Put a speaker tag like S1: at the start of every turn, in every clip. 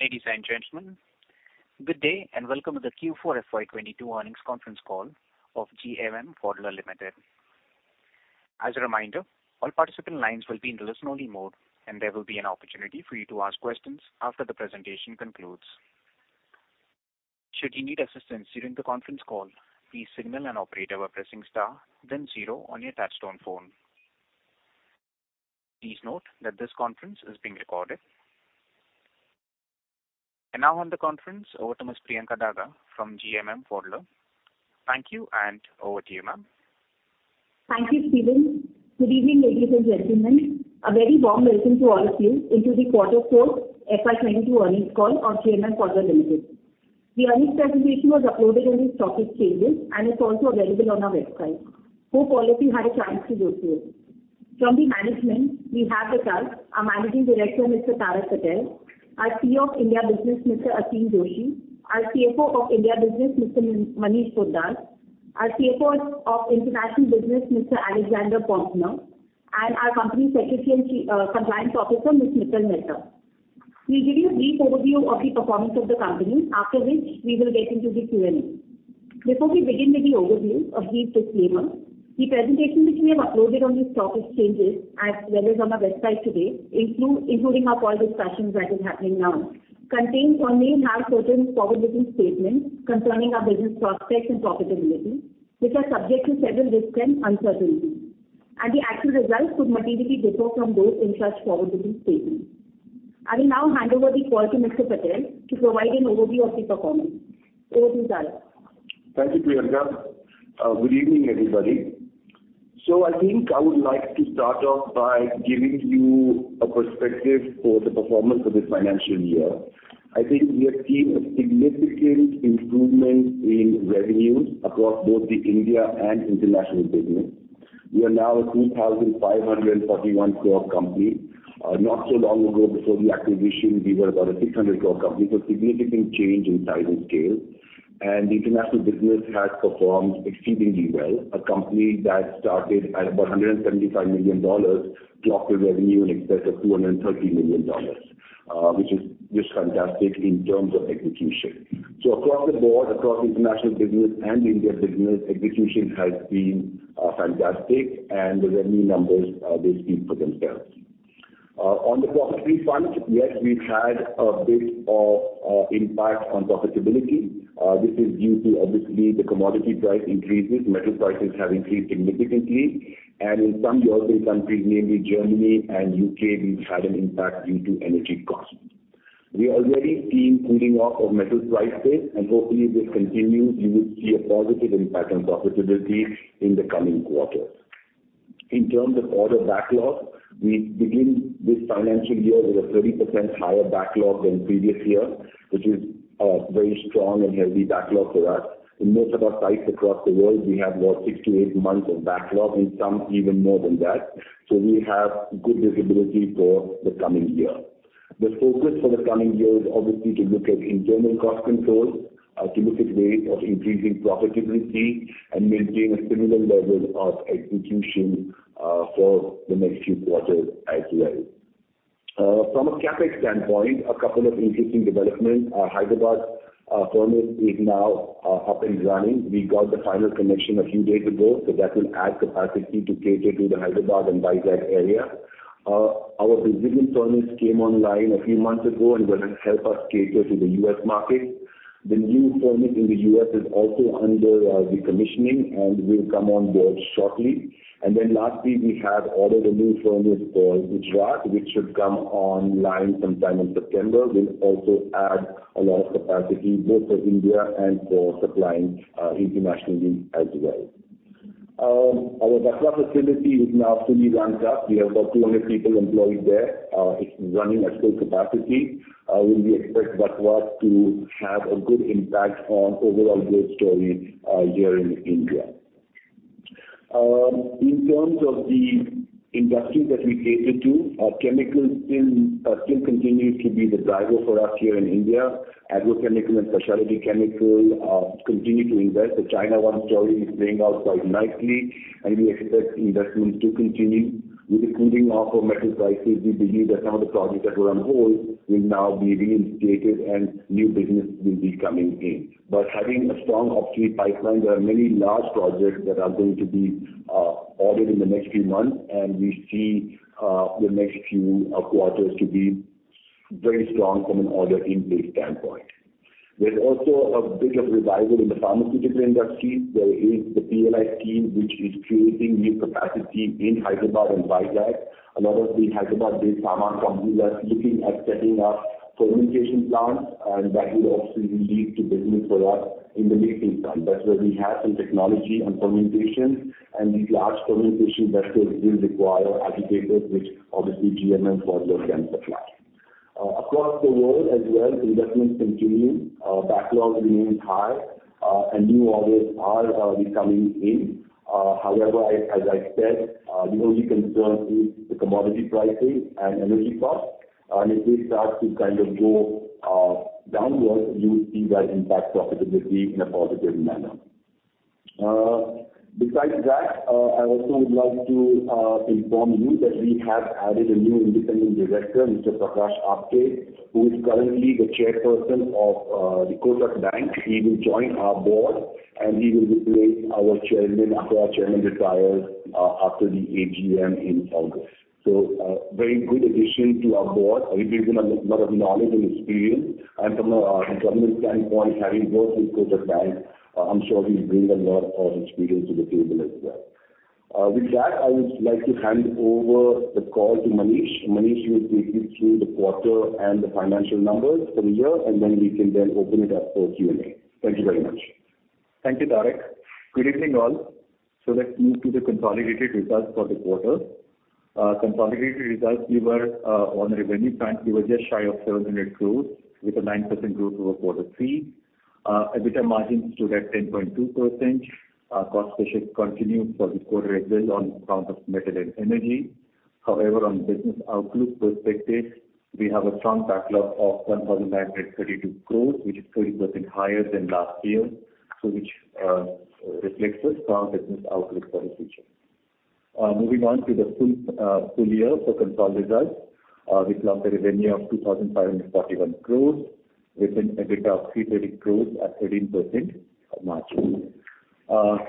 S1: Ladies and gentlemen, good day and welcome to the Q4 FY 2022 earnings conference call of GMM Pfaudler Limited. As a reminder, all participant lines will be in listen-only mode, and there will be an opportunity for you to ask questions after the presentation concludes. Should you need assistance during the conference call, please signal an operator by pressing star then zero on your touch-tone phone. Please note that this conference is being recorded. Now on the conference over to Ms. Priyanka Daga from GMM Pfaudler. Thank you and over to you, ma'am.
S2: Thank you, Steven. Good evening, ladies and gentlemen. A very warm welcome to all of you into the quarter 4 FY22 earnings call of GMM Pfaudler Limited. The earnings presentation was uploaded on the stock exchanges, and it's also available on our website. Hope all of you had a chance to go through it. From the management we have with us our Managing Director, Mr. Tarak Patel, our CEO of India Business, Mr. Aseem Joshi, our CFO of India Business, Mr. Manish Poddar, our CFO of International Business, Mr. Alexander Poempner, and our Company Secretary and Compliance Officer, Ms. Mittal Mehta. We'll give you a brief overview of the performance of the company, after which we will get into the Q&A. Before we begin with the overview, a brief disclaimer. The presentation which we have uploaded on the stock exchanges as well as on our website today, including our call discussion that is happening now, contains or may have certain forward-looking statements concerning our business prospects and profitability, which are subject to several risks and uncertainties, and the actual results could materially differ from those in such forward-looking statements. I will now hand over the call to Mr. Patel to provide an overview of the performance. Over to you, Tarak.
S3: Thank you, Priyanka. Good evening, everybody. I think I would like to start off by giving you a perspective for the performance of this financial year. I think we have seen a significant improvement in revenues across both the India and international business. We are now a 2,541 crore company. Not so long ago, before the acquisition, we were about a 600 crore company, so significant change in size and scale. The international business has performed exceedingly well. A company that started at about $175 million clocked a revenue in excess of $230 million, which is just fantastic in terms of execution. Across the board, across international business and India business, execution has been fantastic and the revenue numbers, they speak for themselves. On the profit front, yes, we've had a bit of impact on profitability. This is due to obviously the commodity price increases. Metal prices have increased significantly. In some European countries, namely Germany and U.K., we've had an impact due to energy costs. We are already seeing cooling off of metal prices and hopefully if this continues, you will see a positive impact on profitability in the coming quarters. In terms of order backlog, we begin this financial year with a 30% higher backlog than previous year, which is a very strong and healthy backlog for us. In most of our sites across the world, we have about 6-8 months of backlog. In some, even more than that. We have good visibility for the coming year. The focus for the coming year is obviously to look at internal cost controls, to look at ways of increasing profitability and maintaining a similar level of execution, for the next few quarters as well. From a CapEx standpoint, a couple of interesting developments. Our Hyderabad furnace is now up and running. We got the final commissioning a few days ago, so that will add capacity to cater to the Hyderabad and Vizag area. Our Brazilian furnace came online a few months ago and will help us cater to the U.S. market. The new furnace in the U.S. is also under the commissioning and will come on board shortly. Lastly, we have ordered a new furnace for Gujarat, which should come online sometime in September. We'll also add a lot of capacity both for India and for supplying internationally as well. Our Vatva facility is now fully ramped up. We have about 200 people employed there. It's running at full capacity. We expect Vatva to have a good impact on overall growth story here in India. In terms of the industries that we cater to, chemicals still continues to be the driver for us here in India. Agrochemical and specialty chemical continue to invest. The China Plus One story is playing out quite nicely, and we expect investments to continue. With the cooling off of metal prices, we believe that some of the projects that were on hold will now be reinstated and new business will be coming in. Having a strong opportunity pipeline, there are many large projects that are going to be ordered in the next few months, and we see the next few quarters to be very strong from an order intake standpoint. There's also a bit of revival in the pharmaceutical industry. There is the PLI scheme, which is creating new capacity in Hyderabad and Vizag. A lot of the Hyderabad-based pharma companies are looking at setting up fermentation plants, and that will also lead to business for us in the medium term. That's where we have some technology on fermentation. These large fermentation vessels will require agitators, which obviously GMM Pfaudler can supply. Across the world as well, the investments continue, backlog remains high, and new orders are coming in. However, as I said, the only concern is the commodity prices and energy costs. If they start to kind of go downwards, you'll see that impact profitability in a positive manner. Besides that, I also would like to inform you that we have added a new independent director, Mr. Prakash Apte, who is currently the chairperson of the Kotak Mahindra Bank. He will join our board, and he will replace our chairman after our chairman retires after the AGM in August. A very good addition to our board. He brings in a lot of knowledge and experience. From a government standpoint, having worked with Kotak Mahindra Bank, I'm sure he'll bring a lot of experience to the table as well. With that, I would like to hand over the call to Manish. Manish will take you through the quarter and the financial numbers for the year, and then we can open it up for Q&A. Thank you very much.
S4: Thank you, Tarak. Good evening, all. Let's move to the consolidated results for the quarter. Consolidated results, we were on a revenue front just shy of 700 crore with a 9% growth over quarter three. EBITDA margins stood at 10.2%. Cost pressure continued for the quarter as well on account of metal and energy. However, on business outlook perspective, we have a strong backlog of 1,932 crore, which is 40% higher than last year, which reflects a strong business outlook for the future. Moving on to the full year for consolidated results. We closed a revenue of 2,541 crores with an EBITDA of 330 crores at 13% margin.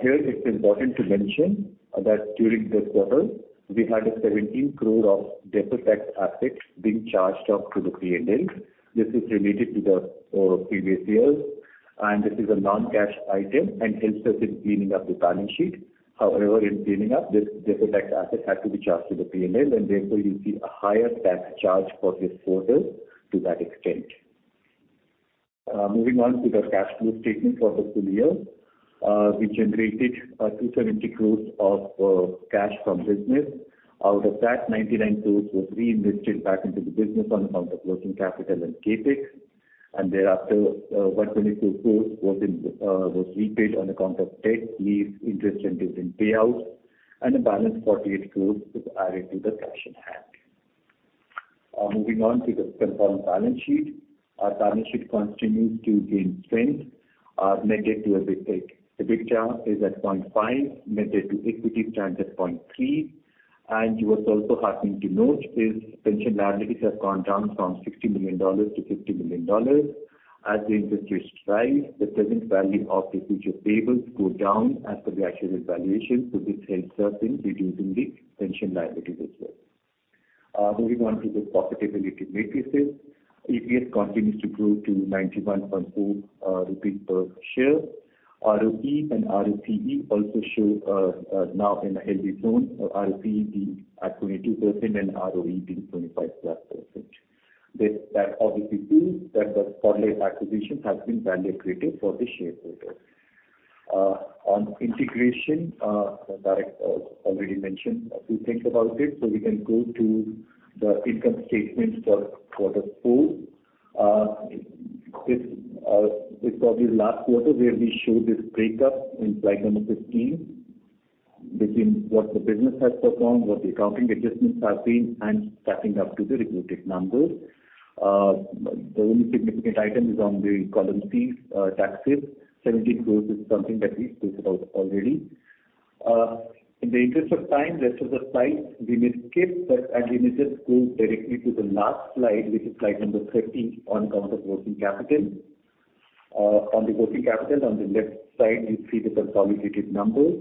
S4: Here it's important to mention that during this quarter, we had a 17 crore of deferred tax assets being charged off to the PNL. This is related to the previous years, and this is a non-cash item and helps us in cleaning up the balance sheet. However, in cleaning up, this deferred tax asset had to be charged to the PNL, and therefore, you see a higher tax charge for this quarter to that extent. Moving on to the cash flow statement for the full year. We generated 270 crores of cash from business. Out of that, 99 crores was reinvested back into the business on account of working capital and CapEx. Thereafter, 122 crores was repaid on account of debt, lease, interest, and dividend payouts. The balance, 48 crores, was added to the cash on hand. Moving on to the consolidated balance sheet. Our balance sheet continues to gain strength, net debt to EBITDA is at 0.5, net debt to equity stands at 0.3. What's also heartening to note is pension liabilities have gone down from $60 million to $50 million. As the interest rates rise, the present value of the future payments go down as per the actual valuation, so this helps us in reducing the pension liability as well. Moving on to the profitability metrics. EPS continues to grow to 91.4 rupees per share. ROE and ROCE also show now in a healthy zone, ROCE being at 22% and ROE being 25%+. This obviously proves that the Pfaudler acquisition has been value creative for the shareholder. On integration, Tarak already mentioned a few things about it, so we can go to the income statement for quarter four. This was the last quarter where we showed this breakup in slide number 15 between what the business has performed, what the accounting adjustments have been, and summing up to the reported numbers. The only significant item is on the column C, taxes. 17 crore is something that we spoke about already. In the interest of time, rest of the slides we may skip, and we may just go directly to the last slide, which is slide number 15 on account of working capital. On the working capital on the left side, you see the consolidated numbers.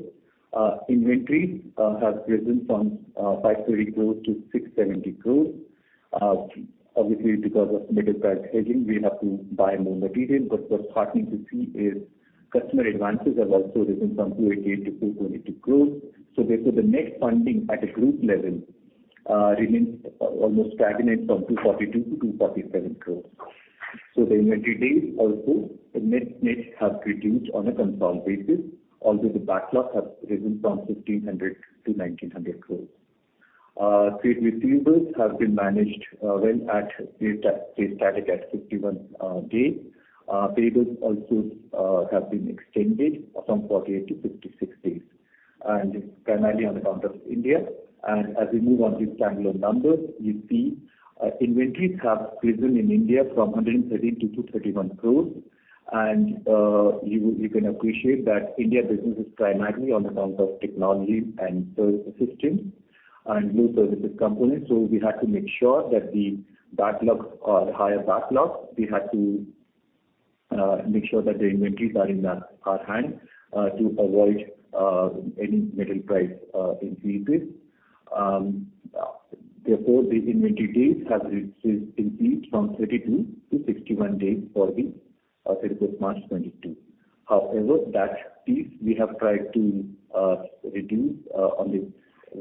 S4: Inventory has risen from 530 crore to 670 crore. Obviously, because of metal price hedging, we have to buy more material. What's heartening to see is customer advances have also risen from 288 crore to INR 222 crore. Therefore, the net funding at a group level remains almost stagnant from 242 crore to 247 crore. The inventory days also, net, have reduced on a consolidated basis, although the backlogs have risen from 1,500 crore to 1,900 crore. Trade receivables have been managed well, they're static at 51 days. Payables also have been extended from 40-56 days, and it's primarily on account of India. As we move on to standalone numbers, you see, inventories have risen in India from 130 crores to 231 crores. You can appreciate that India business is primarily on account of technology and service systems and new services components. We had to make sure that the backlogs are higher. We had to make sure that the inventories are in our hand to avoid any metal price increases. Therefore, the inventory days have increased from 32-61 days for the financial year March 2022. However, that piece we have tried to reduce on the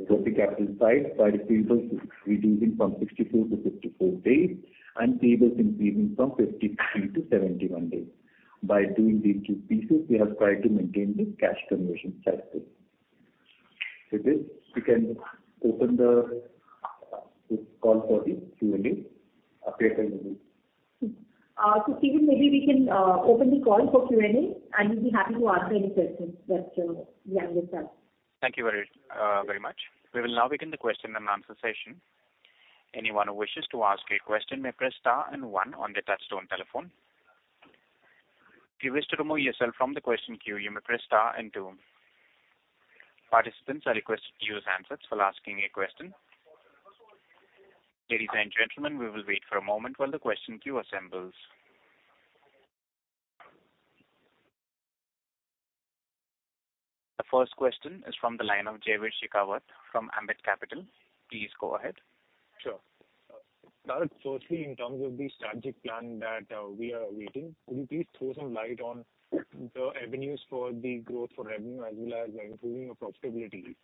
S4: working capital side by receivables reducing from 64 to 54 days and payables increasing from 53 to 71 days. By doing these two pieces, we have tried to maintain the cash conversion cycle. With this, we can open this call for the Q&A. Priyanka, over to you.
S2: Steven, maybe we can open the call for Q&A, and we'll be happy to answer any questions that we have with us.
S1: Thank you very, very much. We will now begin the question-and-answer session. Anyone who wishes to ask a question may press star and one on their touchtone telephone. If you wish to remove yourself from the question queue, you may press star and two. Participants are requested to use handsets while asking a question. Ladies and gentlemen, we will wait for a moment while the question queue assembles. The first question is from the line of Jaiveer Shekhawat from Ambit Capital. Please go ahead.
S5: Sure. Firstly, in terms of the strategic plan that we are awaiting, could you please throw some light on the avenues for the growth for revenue as well as improving your profitability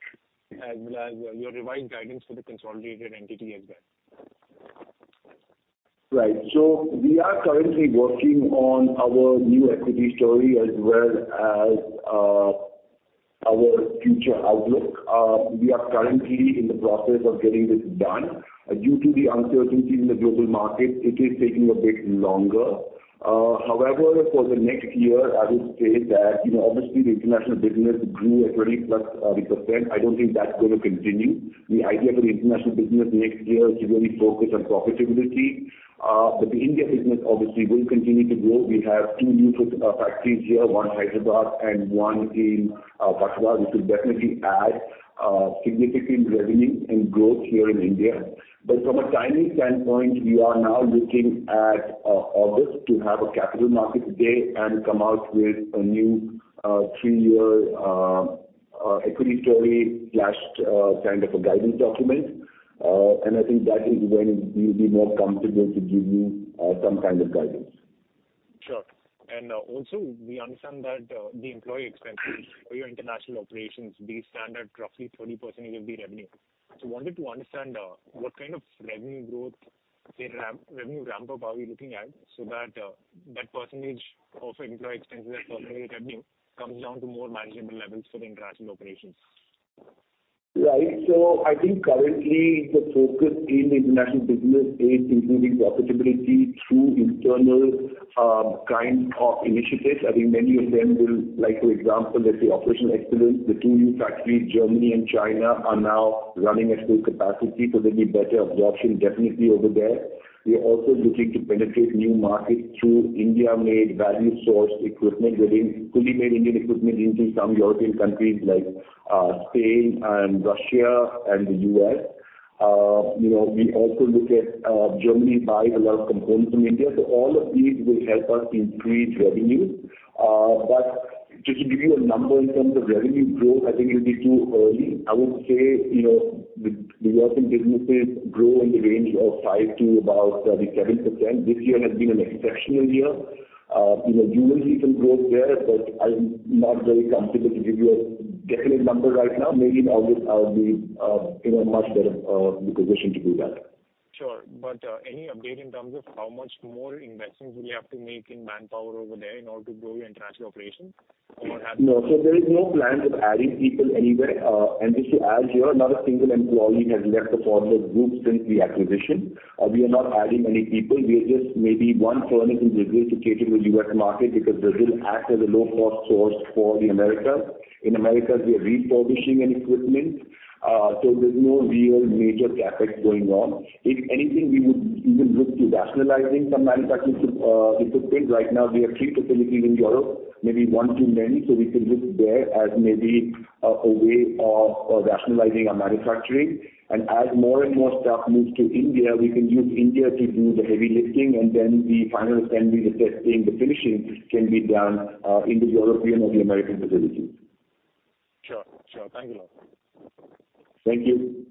S5: as well as your revised guidance for the consolidated entity as well?
S3: Right. We are currently working on our new equity story as well as our future outlook. We are currently in the process of getting this done. Due to the uncertainty in the global market, it is taking a bit longer. However, for the next year, I would say that, you know, obviously the international business grew at 20%+. I don't think that's gonna continue. The idea for the international business next year is really focused on profitability. The India business obviously will continue to grow. We have two new factories here, one in Hyderabad and one in Vadodara, which will definitely add significant revenue and growth here in India. From a timing standpoint, we are now looking at August to have a capital market day and come out with a new three-year equity story slash kind of a guidance document. I think that is when we'll be more comfortable to give you some kind of guidance.
S5: Sure. Also we understand that the employee expenses for your international operations, they stand at roughly 30% of the revenue. Wanted to understand what kind of revenue growth, say ramp, revenue ramp-up are we looking at so that that percentage of employee expenses as percentage of revenue comes down to more manageable levels for the international operations?
S3: Right. I think currently the focus in international business is improving profitability through internal kind of initiatives. I think many of them will like, for example, let's say operational excellence. The two new factories, Germany and China, are now running at full capacity, so there'll be better absorption definitely over there. We are also looking to penetrate new markets through India-made value-sourced equipment getting fully made Indian equipment into some European countries like Spain and Russia and the U.S. You know, we also look at Germany buys a lot of components from India. All of these will help us increase revenue. Just to give you a number in terms of revenue growth, I think it will be too early. I would say, you know, the working businesses grow in the range of 5% to about 7%. This year has been an exceptional year. You know, you will see some growth there, but I'm not very comfortable to give you a definite number right now. Maybe in August I'll be in a much better position to do that.
S5: Sure. Any update in terms of how much more investments will you have to make in manpower over there in order to grow your international operations? Or have you-
S3: No. There is no plans of adding people anywhere. Just to add here, not a single employee has left the Pfaudler Group since the acquisition. We are not adding any people. We are just maybe one firm is in Brazil to cater to the U.S. market because Brazil acts as a low-cost source for the Americas. In Americas, we are refurbishing an equipment. There's no real major CapEx going on. If anything, we would even look to rationalizing some manufacturing capabilities. Right now we have three facilities in Europe, maybe one too many, so we could look there as maybe a way of rationalizing our manufacturing. As more and more stuff moves to India, we can use India to do the heavy lifting, and then the final assembly, the testing, the finishing can be done in the European or the American facilities.
S5: Sure. Thank you a lot.
S3: Thank you.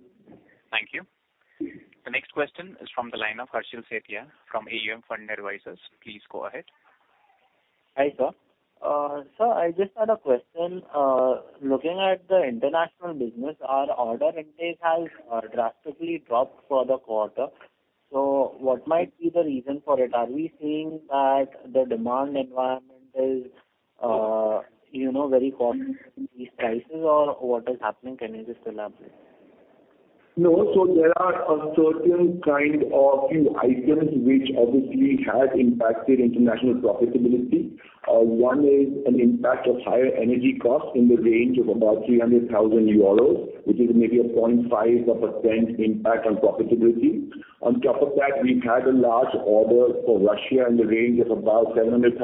S1: Thank you. The next question is from the line of Harshil Shethia from AUM Fund Advisors. Please go ahead.
S6: Hi, sir. Sir, I just had a question. Looking at the international business, our order intake has drastically dropped for the quarter. What might be the reason for it? Are we seeing that the demand environment is, you know, very cautious in these times? Or what is happening? Can you just elaborate?
S3: No, there are a certain kind of few items which obviously has impacted international profitability. One is an impact of higher energy costs in the range of about 300,000 euros, which is maybe 0.5% impact on profitability. On top of that, we've had a large order for Russia in the range of about $700,000,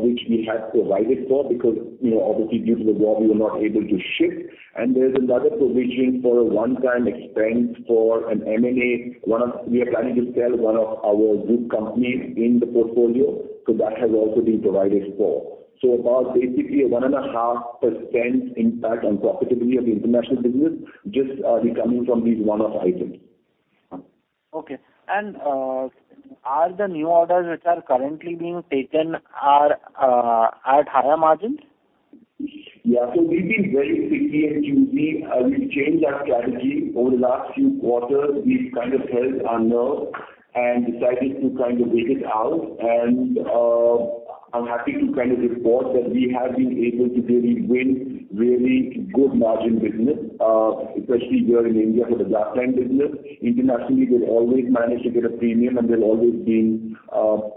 S3: which we had provided for because, you know, obviously due to the war we were not able to ship. And there's another provisioning for a one-time expense for an M&A. We are planning to sell one of our group companies in the portfolio. So that has also been provided for. So about basically 1.5% impact on profitability of the international business just coming from these one-off items.
S6: Are the new orders which are currently being taken at higher margins?
S3: Yeah. We've been very picky and choosy. We've changed our strategy over the last few quarters. We've kind of held our nerve and decided to kind of wait it out and, I'm happy to kind of report that we have been able to really win really good margin business, especially here in India for the glass lining business. Internationally, we've always managed to get a premium, and we've always been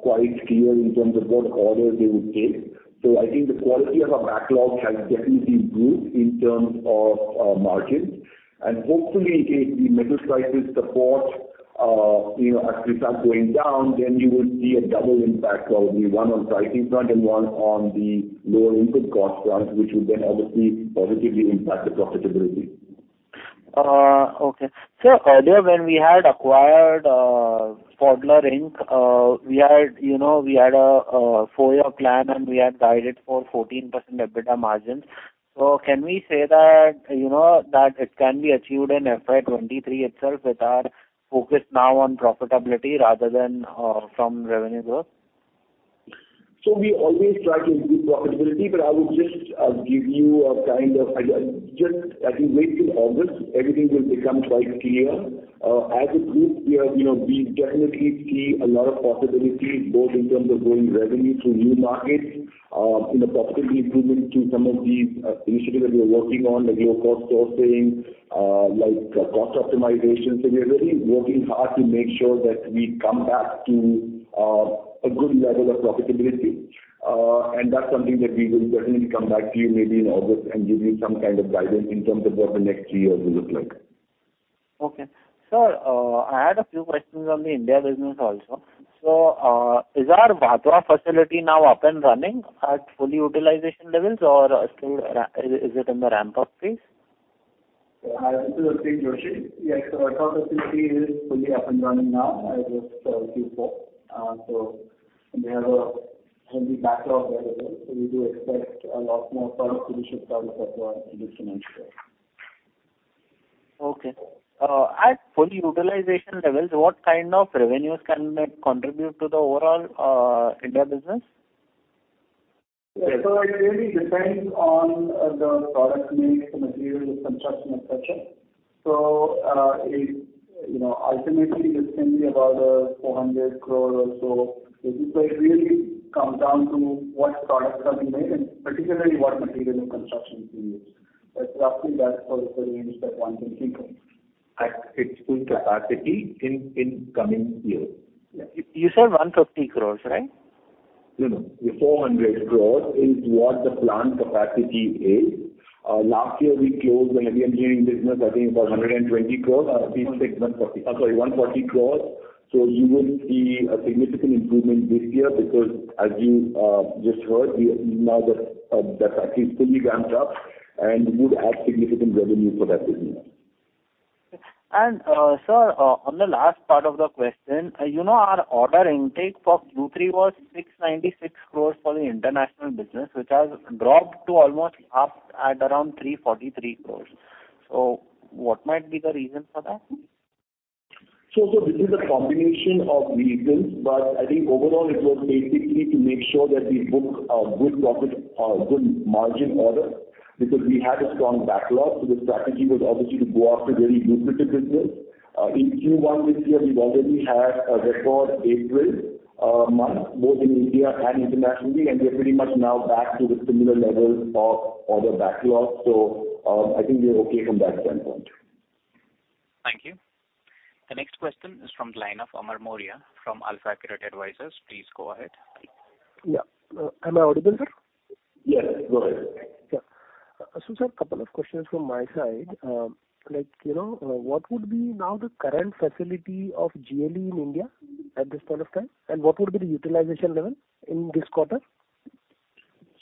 S3: quite clear in terms of what orders we would take. I think the quality of our backlog has definitely improved in terms of margins. Hopefully, if the metal prices support our costs going down, you know, then you will see a double impact, probably one on pricing front and one on the lower input cost front, which will then obviously positively impact the profitability.
S6: Okay. Sir, earlier when we had acquired Pfaudler Inc., we had, you know, a four-year plan, and we had guided for 14% EBITDA margins. Can we say that, you know, it can be achieved in FY 2023 itself with our focus now on profitability rather than from revenue growth?
S3: We always try to improve profitability, but as we wait till August, everything will become quite clear. As a group, we have, you know, we definitely see a lot of possibilities both in terms of gr```owing revenue through new markets, in the profitability improvement through some of the initiatives that we are working on, like lower cost sourcing, like cost optimization. We are really working hard to make sure that we come back to a good level of profitability. That's something that we will definitely come back to you maybe in August and give you some kind of guidance in terms of what the next year will look like.
S6: Okay. Sir, I had a few questions on the India business also. Is our Vadodara facility now up and running at full utilization levels or still in the ramp-up phase?
S7: This is Aseem Joshi. Yes, the Vadodara facility is fully up and running now as of Q4. We have a heavy backlog available. We do expect a lot more product to be shipped out of Vadodara in this financial year.
S6: Okay. At full utilization levels, what kind of revenues can that contribute to the overall India business?
S7: It really depends on the product mix, the material, the construction, et cetera. Ultimately this can be about 400 crore or so. It really comes down to what products are being made and particularly what material and construction is being used. Roughly that's what the range that one can think of.
S6: At its full capacity in coming year.
S7: Yeah.
S6: You said 150 crore, right?
S3: No, no. 400 crores is what the plant capacity is. Last year we closed the heavy engineering business, I think about 120 crores.
S6: 140.
S3: Oh, sorry, 140 crore. You will see a significant improvement this year because as you just heard, we are now the factory is fully ramped up and would add significant revenue for that business.
S6: Sir, on the last part of the question, you know, our order intake for Q3 was 696 crore for the international business, which has dropped to almost half at around 343 crore. What might be the reason for that, sir?
S3: This is a combination of reasons, but I think overall it was basically to make sure that we book good profit good margin orders because we had a strong backlog, so the strategy was obviously to go after very lucrative business. In Q1 this year, we've already had a record April month, both in India and internationally, and we're pretty much now back to the similar levels of order backlog. I think we're okay from that standpoint.
S1: Thank you. The next question is from the line of Amar Mourya from AlfAccurate Advisors. Please go ahead.
S8: Yeah. Am I audible, sir?
S3: Yes, go ahead.
S8: Sir, couple of questions from my side. Like, you know, what would be now the current facility of GLE in India at this point of time? And what would be the utilization level in this quarter?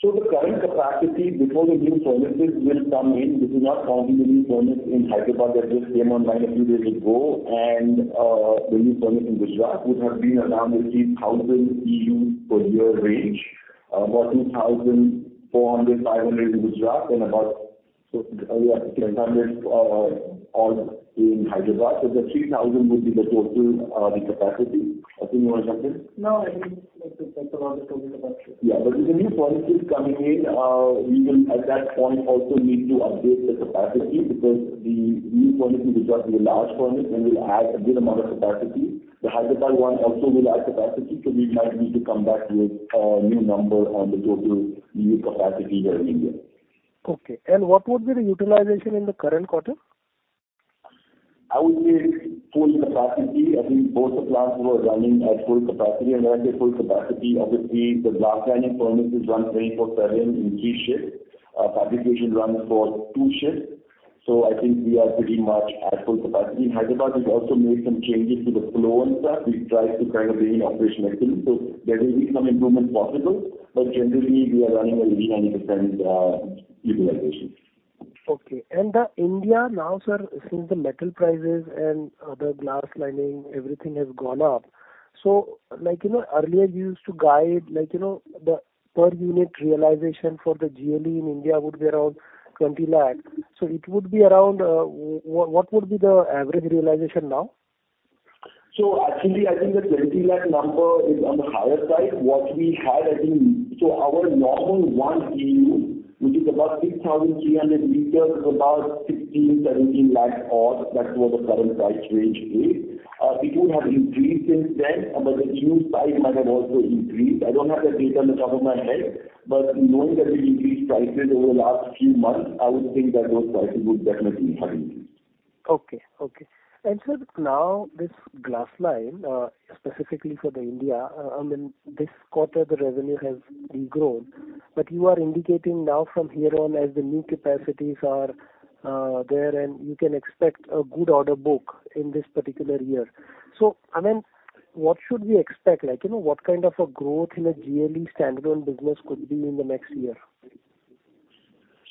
S3: The current capacity before the new furnaces will come in, this is now counting the new furnace in Hyderabad that just came online a few days ago and the new furnace in Gujarat, would have been around the 3,000 EU per year range. About 2,400, 500 in Gujarat and about 1,000 or in Hyderabad. The 3,000 would be the total, the capacity. Aseem, you wanna jump in?
S8: No, I think that's about the total capacity.
S3: Yeah, with the new furnaces coming in, we will at that point also need to update the capacity because the new furnace in Gujarat is a large furnace and will add a good amount of capacity. The Hyderabad one also will add capacity, so we might need to come back with a new number on the total GLE capacity here in India.
S8: Okay. What would be the utilization in the current quarter?
S3: I would say full capacity. I think both the plants were running at full capacity. When I say full capacity, obviously the glass lining furnaces run 24/7 in three shifts. Fabrication runs for two shifts. I think we are pretty much at full capacity. In Hyderabad, we've also made some changes to the flow and stuff, which tries to kind of bring in operational efficiency. There will be some improvements possible. Generally, we are running at 99% utilization.
S8: Okay. India now, sir, since the metal prices and the glass lining, everything has gone up. Like, you know, earlier you used to guide, like, you know, the per unit realization for the GLE in India would be around 20 lakh. It would be around. What would be the average realization now?
S3: Actually, I think the 20 lakh number is on the higher side. What we had, I think, our normal one EU, which is about 6,300 liters, is about 16-17 lakhs odd. That's what the current price range is. It would have increased since then, but the EU size might have also increased. I don't have that data on the top of my head, but knowing that we increased prices over the last few months, I would think that those prices would definitely have increased.
S8: Okay. Sir, now this glass-lined, specifically for India, I mean, this quarter the revenue has de-grown, but you are indicating now from here on as the new capacities are there and you can expect a good order book in this particular year. I mean, what should we expect? Like, you know, what kind of a growth in a GLE standalone business could be in the next year?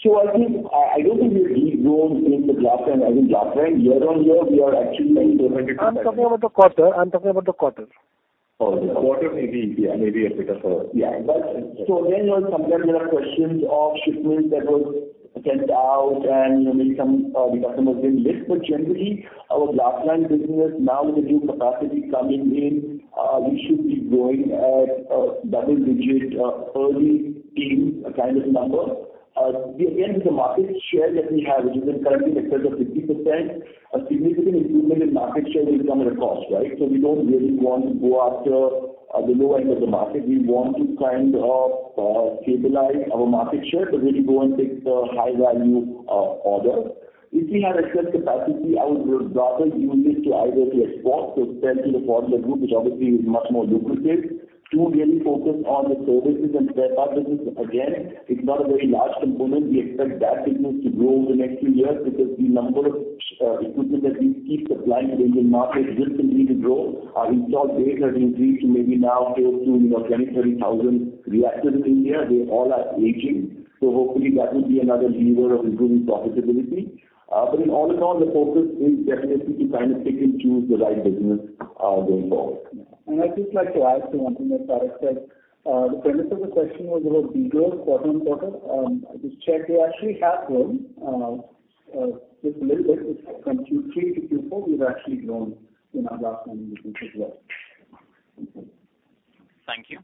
S3: I think, I don't think we've de-grown in the glass-lined. I think glass-lined year-over-year we are actually 20%.
S8: I'm talking about the quarter.
S3: Again, you know, sometimes there are questions of shipments that were sent out and, you know, maybe some, the customers didn't lift. Generally, our glass-lined business now with the new capacity coming in, we should be growing at a double-digit, early-teens kind of number. Again, with the market share that we have, which is currently in excess of 50%, a significant improvement in market share will come at a cost, right? We don't really want to go after the low end of the market. We want to kind of stabilize our market share, but really go and take the high-value orders. If we had excess capacity, I would rather use this to either export, so sell to the Pfaudler Group, which obviously is much more lucrative. Two, really focus on the services and spare part business. Again, it's not a very large component. We expect that business to grow over the next few years because the number of equipment that we keep supplying to the Indian market will continue to grow. Our installed base has increased to maybe now close to, you know, 10-30,000 reactors in India. They all are aging. Hopefully that will be another lever of improving profitability. All in all, the focus is definitely to kind of pick and choose the right business, going forward.
S7: I'd just like to add to one thing that Tarak said. The premise of the question was about de-growth quarter-over-quarter. I just checked. We actually have grown just a little bit. From Q3 to Q4, we've actually grown in our glass-lined business as well.
S1: Thank you.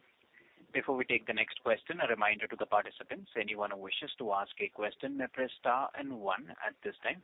S1: Before we take the next question, a reminder to the participants, anyone who wishes to ask a question may press star and one at this time.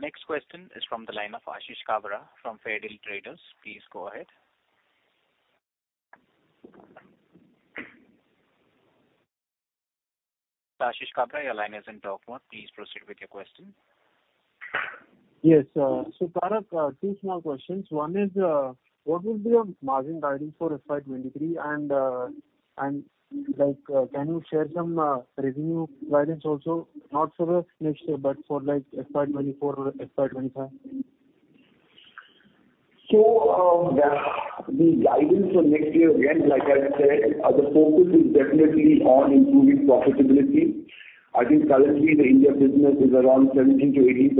S1: The next question is from the line of Ashish Kabra from Fairdeal Traders. Please go ahead. Ashish Kabra, your line is on talk mode. Please proceed with your question.
S9: Yes, Tarak, two small questions. One is, what will be your margin guidance for FY 2023 and like, can you share some revenue guidance also? Not for the next year, but for like FY 2024 or FY 2025.
S3: The guidance for next year, again, like I said, the focus is definitely on improving profitability. I think currently the India business is around 17%-18%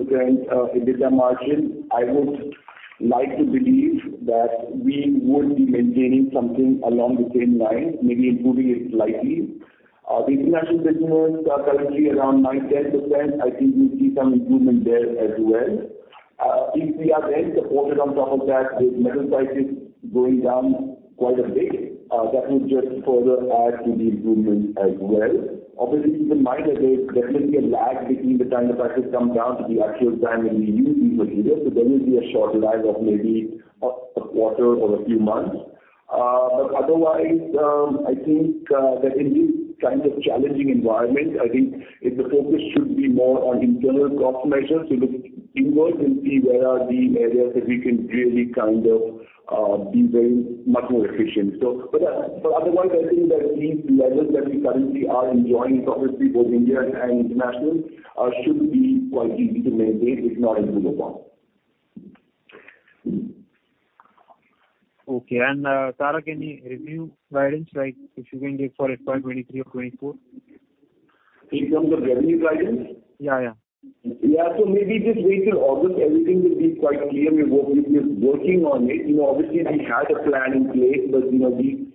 S3: EBITDA margin. I would like to believe that we would be maintaining somethin``g along the same lines, maybe improving it slightly. The international business is currently around 9%-10%. I think we'll see some improvement there as well. If we are then supported on top of that with metal prices going down quite a bit, that will just further add to the improvement as well. Obviously, keep in mind that there's definitely a lag between the time the prices come down to the actual time when we use these materials. There will be a short lag of maybe a quarter or a few months. Otherwise, I think that in these kinds of challenging environment, I think, the focus should be more on internal cost measures. Look inwards and see where are the areas that we can really kind of be very much more efficient. Otherwise I think that these levels that we currently are enjoying, obviously both India and international, should be quite easy to maintain, if not improve upon.
S9: Okay. Tarak, any revenue guidance, like if you can give for FY 2023 or 2024?
S3: In terms of revenue guidance?
S9: Yeah, yeah.
S3: Yeah. Maybe just wait till August. Everything will be quite clear. We've been working on it. You know, obviously we had a plan in place, but, you know, the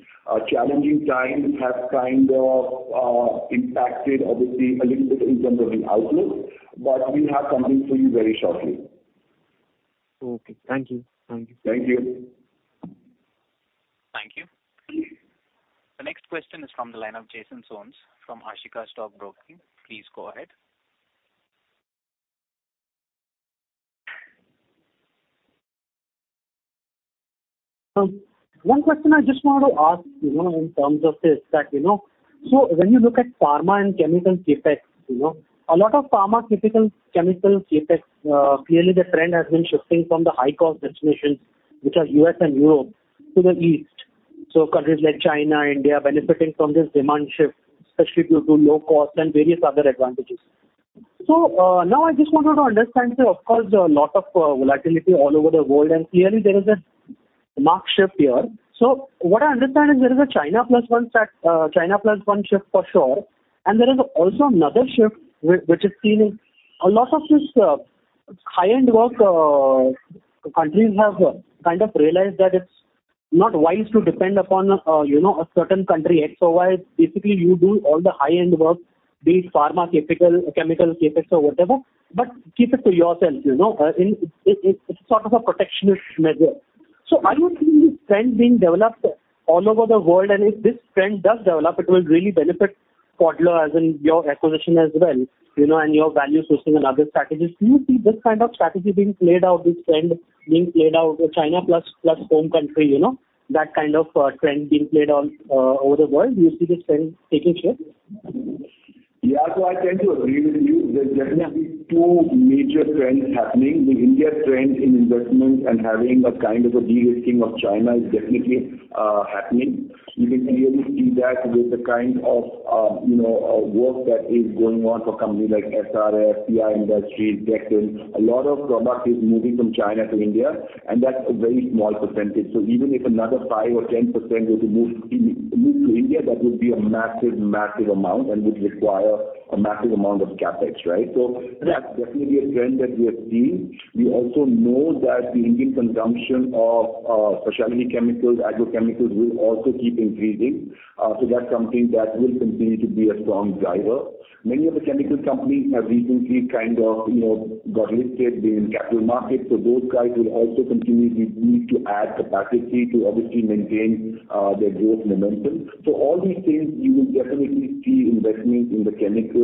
S3: challenging times have kind of impacted obviously a little bit in terms of the outlook. We'll have something for you very shortly.
S9: Okay. Thank you. Thank you.
S3: Thank you.
S1: Thank you. The next question is from the line of Jason Soans from Ashika Stock Broking. Please go ahead.
S10: One question I just want to ask, you know, in terms of this, that, you know, when you look at pharma and chemical CapEx, you know, a lot of pharma chemical CapEx, clearly the trend has been shifting from the high-cost destinations, which are U.S. and Europe, to the East. Countries like China, India benefiting from this demand shift, especially due to low cost and various other advantages. Now I just wanted to understand. Of course, a lot of volatility all over the world, and clearly there is a marked shift here. What I understand is there is a China Plus One strategy, China Plus One shift for sure. There is also another shift which is seen in a lot of this high-end work. Countries have kind of realized that it's not wise to depend upon, you know, a certain country X, Y. Basically, you do all the high-end work, be it pharma, chemical, CapEx or whatever, but keep it to yourself, you know, in, it's sort of a protectionist measure. Are you seeing this trend being developed all over the world? If this trend does develop, it will really benefit Pfaudler as in your acquisition as well, you know, and your value sourcing and other strategies. Do you see this kind of strategy being played out, this trend being played out with China Plus One plus home country, you know, that kind of, trend being played out over the world? Do you see this trend taking shape?
S3: Yeah. I tend to agree with you. There's definitely two major trends happening. The India trend in investments and having a kind of a de-risking of China is definitely happening. You can clearly see that with the kind of, you know, work that is going on for companies like SRF, PI Industries, Tech Mahindra. A lot of product is moving from China to India, and that's a very small percentage. Even if another 5% or 10% were to move to India, that would be a massive amount and would require a massive amount of CapEx, right? That's definitely a trend that we have seen. We also know that the Indian consumption of specialty chemicals, agrochemicals will also keep increasing. That's something that will continue to be a strong driver. Many of the chemical companies have recently kind of, you know, got listed in capital markets. Those guys will also continue the need to add capacity to obviously maintain their growth momentum. All these things you will definitely see investment in the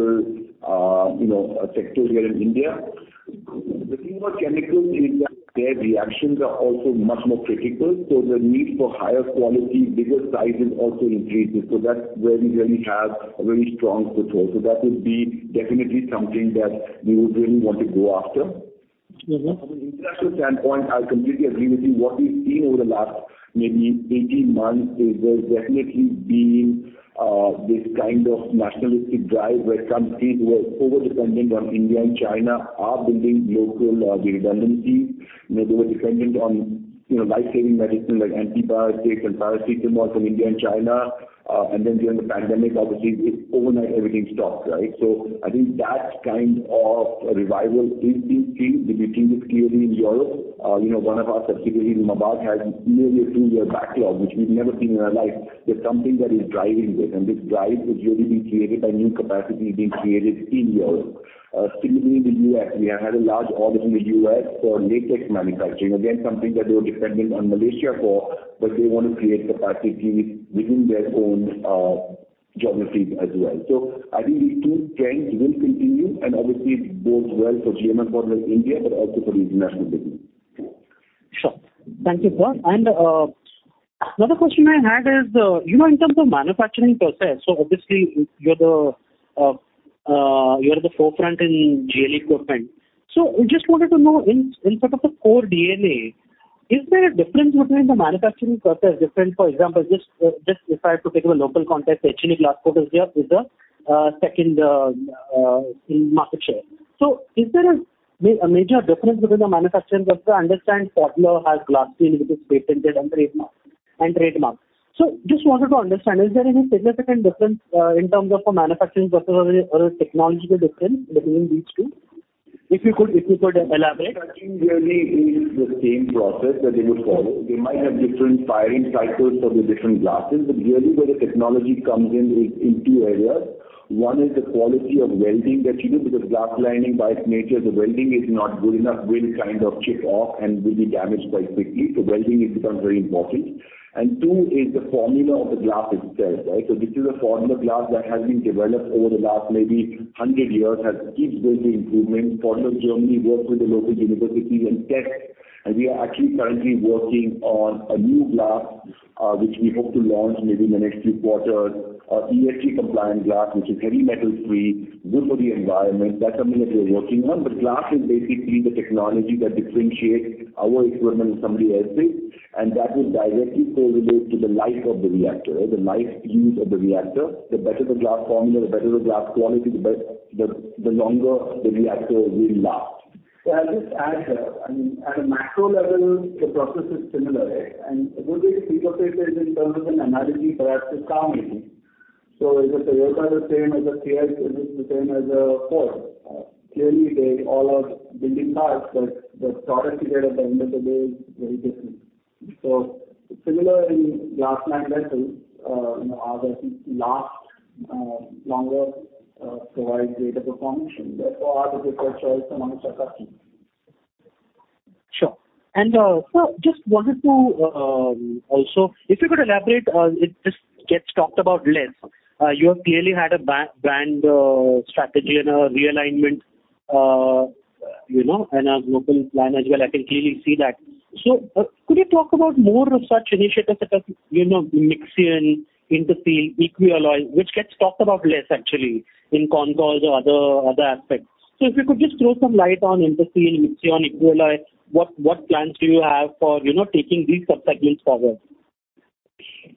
S3: chemical, you know, sector here in India. The thing about chemicals is that their reactions are also much more critical. The need for higher quality, bigger sizes also increases. That's where we really have a very strong control. That would be definitely something that we would really want to go after.
S10: Mm-hmm.
S3: From an international standpoint, I completely agree with you. What we've seen over the last maybe 18 months is there's definitely been this kind of nationalistic drive where countries who are over dependent on India and China are building local redundancies. You know, they were dependent on, you know, life-saving medicine like antibiotics and paracetamol from India and China. During the pandemic, obviously overnight everything stopped, right? I think that kind of revival is being seen. We've seen this clearly in Europe. You know, one of our subsidiaries in Mavag has nearly a two-year backlog, which we've never seen in our life. There's something that is driving this, and this drive is really being created by new capacity being created in Europe. Similarly in the U.S., we have had a large order from the U.S. for latex manufacturing. Again, something that they were dependent on Malaysia for, but they want to create capacity within their own geographies as well. I think these two trends will continue and obviously bodes well for GMM Pfaudler India, but also for the international business.
S10: Sure. Thank you, sir. Another question I had is, you know, in terms of manufacturing process, obviously you're at the forefront in GLE equipment. We just wanted to know in sort of the core DNA, is there a difference between the manufacturing process? Different, for example, just if I have to take a local context, HLE Glascoat is there with the second in market share. Is there a major difference between the manufacturing process? I understand Pfaudler has Glasteel, which is patented and trademarked. Just wanted to understand, is there any significant difference in terms of a manufacturing process or a technological difference between these two? If you could elaborate.
S3: Manufacturing really is the same process that they would follow. They might have different firing cycles for the different glasses, but really where the technology comes in is in two areas. One is the quality of welding that you do, because glass lining by its nature, the welding is not good enough, will kind of chip off and will be damaged quite quickly. Welding becomes very important. Two is the formula of the glass itself, right? This is a formula glass that has been developed over the last maybe 100 years, has kept going through improvements. Pfaudler GmbH works with the local universities and tests, and we are actually currently working on a new glass, which we hope to launch maybe in the next few quarters. ESG compliant glass, which is heavy metal free, good for the environment. That's something that we're working on. Glass is basically the technology that differentiates our equipment from somebody else's, and that will directly correlate to the life of the reactor. The life use of the reactor. The better the glass formula, the better the glass quality, the longer the reactor will last.
S7: I'll just add here. I mean, at a macro level, the process is similar, right? A good way to think of it is in terms of an analogy, perhaps with car making. Is a Toyota the same as a Kia? Is it the same as a Ford? Clearly they all are building cars, but the product you get at the end of the day is very different. Similar in glass-lined vessels, you know, ours last longer, provide greater performance, and therefore are the preferred choice amongst our customers.
S10: Sure. Just wanted to also if you could elaborate, it just gets talked about less. You have clearly had a brand strategy and a realignment, you know, and a global plan as well. I can clearly see that. Could you talk about more of such initiatives such as, you know, Mixion, Interseal, EQUILLOY, which gets talked about less actually in con calls or other aspects. If you could just throw some light on Interseal, Mixion, EQUILLOY, what plans do you have for, you know, taking these sub-segments forward?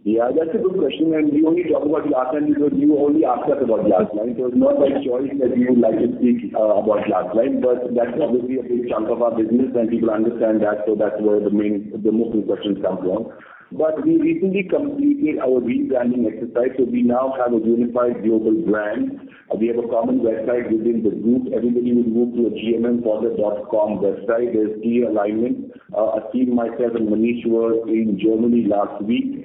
S3: Yeah, that's a good question, and we only talk about glass lining because you only ask us about glass lining. It's not by choice that we would like to speak about glass lining, but that's obviously a big chunk of our business and people understand that, so that's where the most of the questions comes from. We recently completed our rebranding exercise, so we now have a unified global brand. We have a common website within the group. Everybody will move to a gmmpfaudler.com website. There's key alignment. Aseem, myself, and Manish were in Germany last week.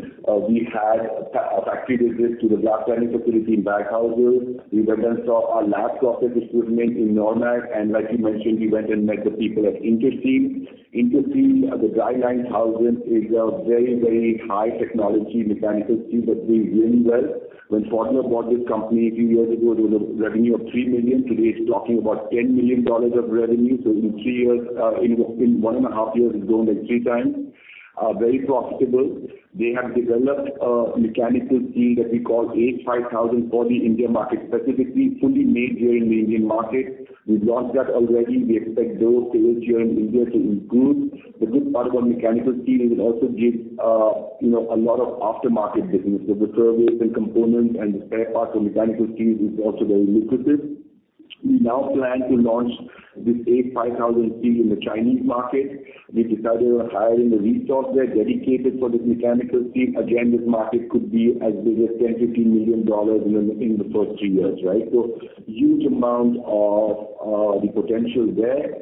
S3: We had a factory visit to the glass lining facility in Bad Nauheim. We went and saw our lab process equipment in Normag. Like you mentioned, we went and met the people at Interseal. Interseal, the dry9000 is a very, very high technology mechanical seal that does really well. When Pfaudler bought this company a few years ago, it was revenue of $3 million. Today, it's $10 million of revenue. In three years, in one and a half years, it's grown like 3 times. Very profitable. They have developed a mechanical seal that we call H5000 for the India market, specifically fully made here in the Indian market. We've launched that already. We expect those sales here in India to improve. The good part about mechanical seal is it also gives, you know, a lot of aftermarket business. The service and components and spare parts of mechanical seal is also very lucrative. We now plan to launch this H5000 seal in the Chinese market. We've decided on hiring a res``ource there dedicated for this mechanical seal. Again, this market could be as big as $10-$15 million in the first three years, right? Huge amount of potential there.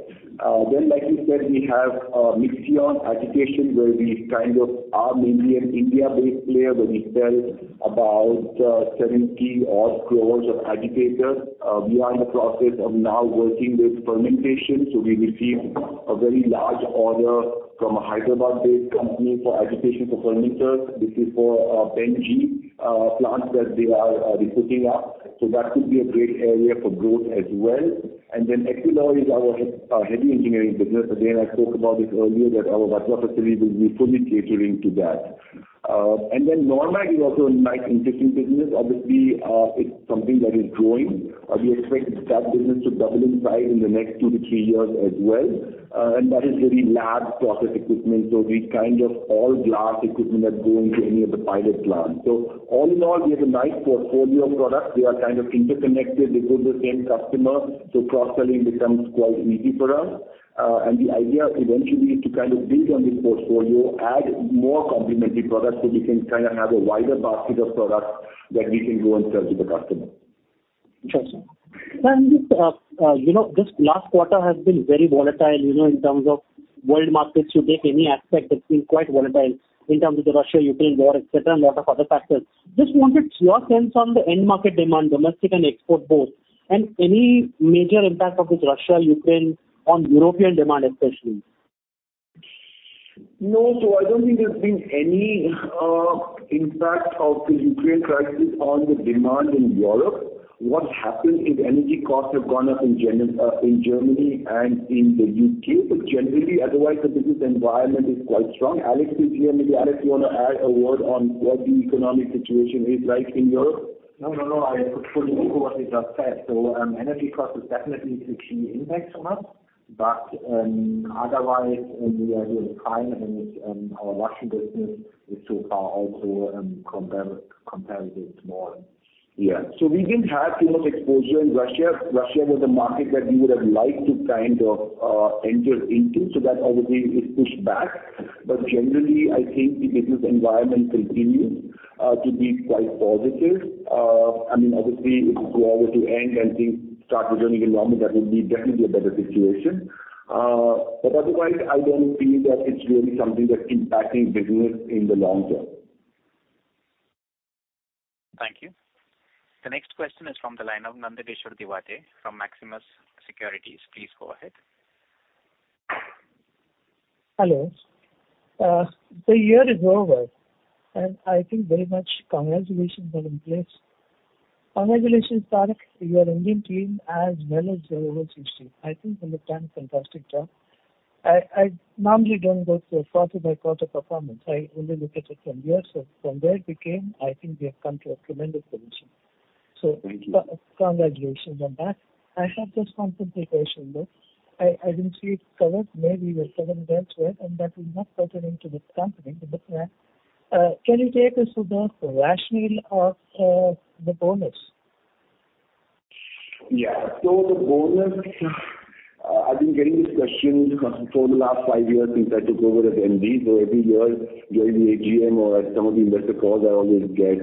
S3: Then, like you said, we have Mixion agitation, where we kind of are mainly an India-based player, where we sell about 70-odd crores of agitators. We are in the process of now working with fermentation. We received a very large order from a Hyderabad-based company for agitation for fermenters. This is for penicillin plants that they are putting up. That could be a great area for growth as well. Then EQUILLOY is our heavy engineering business. Again, I spoke about this earlier, that our Vatva facility will be fully catering to that. Normag is also a nice, interesting business. Obviously, it's something that is growing. We expect that business to double in size in the next two to three years as well. That is really lab process equipment. The kind of all glass equipment that go into any of the pilot plants. All in all, we have a nice portfolio of products. They are kind of interconnected. They go to the same customer, so cross-selling becomes quite easy for us. The idea eventually is to kind of build on this portfolio, add more complementary products, so we can kind of have a wider basket of products that we can go and sell to the customer.
S10: Interesting. You know, this last quarter has been very volatile, you know, in terms of world markets, you take any aspect, it's been quite volatile in terms of the Russia-Ukraine war, et cetera, and a lot of other factors. Just wanted your sense on the end market demand, domestic and export both, and any major impact of this Russia-Ukraine on European demand, especially?
S3: No. I don't think there's been any impact of the Ukraine crisis on the demand in Europe. What's happened is energy costs have gone up in Germany and in the UK. Generally, otherwise, the business environment is quite strong. Alex is here. Maybe Alex, you wanna add a word on what the economic situation is like in Europe?
S11: No, no. I fully echo what he just said. Energy cost has definitely is a key impact on us. Otherwise we are fine and it's our Russian business is so far also comparatively small.
S3: We didn't have too much exposure in Russia. Russia was a market that we would have liked to kind of enter into, so that obviously is pushed back. Generally, I think the business environment continues to be quite positive. I mean, obviously, if the war were to end and things start returning to normal, that would be definitely a better situation. Otherwise, I don't feel that it's really something that's impacting business in the long term.
S1: Thank you. The next question is from the line of Nandakishore Divate from Maximus Securities. Please go ahead.
S12: Hello. The year is over, and I think very much congratulations are in place. Congratulations, Tarak, your Indian team, as well as your overseas team. I think you've done a fantastic job. I normally don't go through a quarter-by-quarter performance. I only look at it from years. From where it became, I think we have come to a tremendous position.
S3: Thank you.
S12: Congratulations on that. I have just one clarification, though. I didn't see it covered. Maybe you will cover them elsewhere. That is not pertaining to this company. Can you take us through the rationale of the bonus?
S3: Yeah. The bonus, I've been getting this question for the last five years since I took over as MD. Every year during the AGM or at some of the investor calls, I always get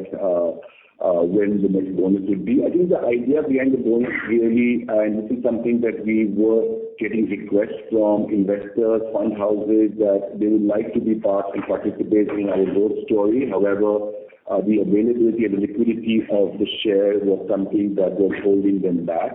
S3: when the next bonus will be. I think the idea behind the bonus really, and this is something that we were getting requests from investors, fund houses, that they would like to be part and participate in our growth story. However, the availability and the liquidity of the shares was something that was holding them back.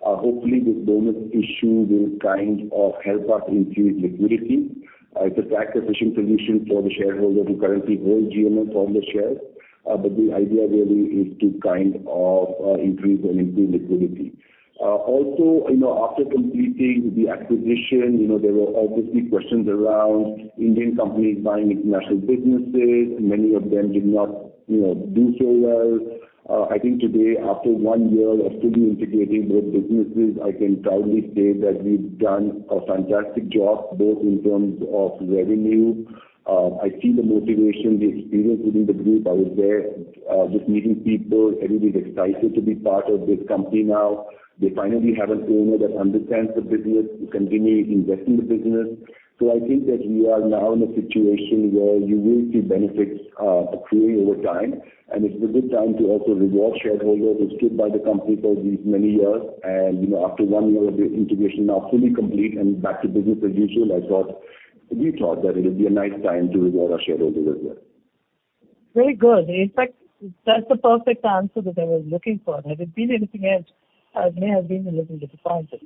S3: Hopefully, this bonus issue will kind of help us increase liquidity. It's a tax-efficient solution for the shareholder who currently holds GMM Pfaudler shares. The idea really is to kind of increase and improve liquidity. Also, you know, after completing the acquisition, you know, there were obviously questions around Indian companies buying international businesses, and many of them you know, do so well. I think today, after one year of fully integrating both businesses, I can proudly say that we've done a fantastic job, both in terms of revenue. I see the motivation, the experience within the group. I was there, just meeting people. Everybody's excited to be part of this company now. They finally have an owner that understands the business, to continue investing in the business. So I think that we are now in a situation where you will see benefits accruing over time. It's a good time to also reward shareholders who stood by the company for these many years. You know, after one year of the integration now fully complete and back to business as usual, we thought that it would be a nice time to reward our shareholders as well.
S12: Very good. In fact, that's the perfect answer that I was looking for. Had it been anything else, it may have been a little disappointing.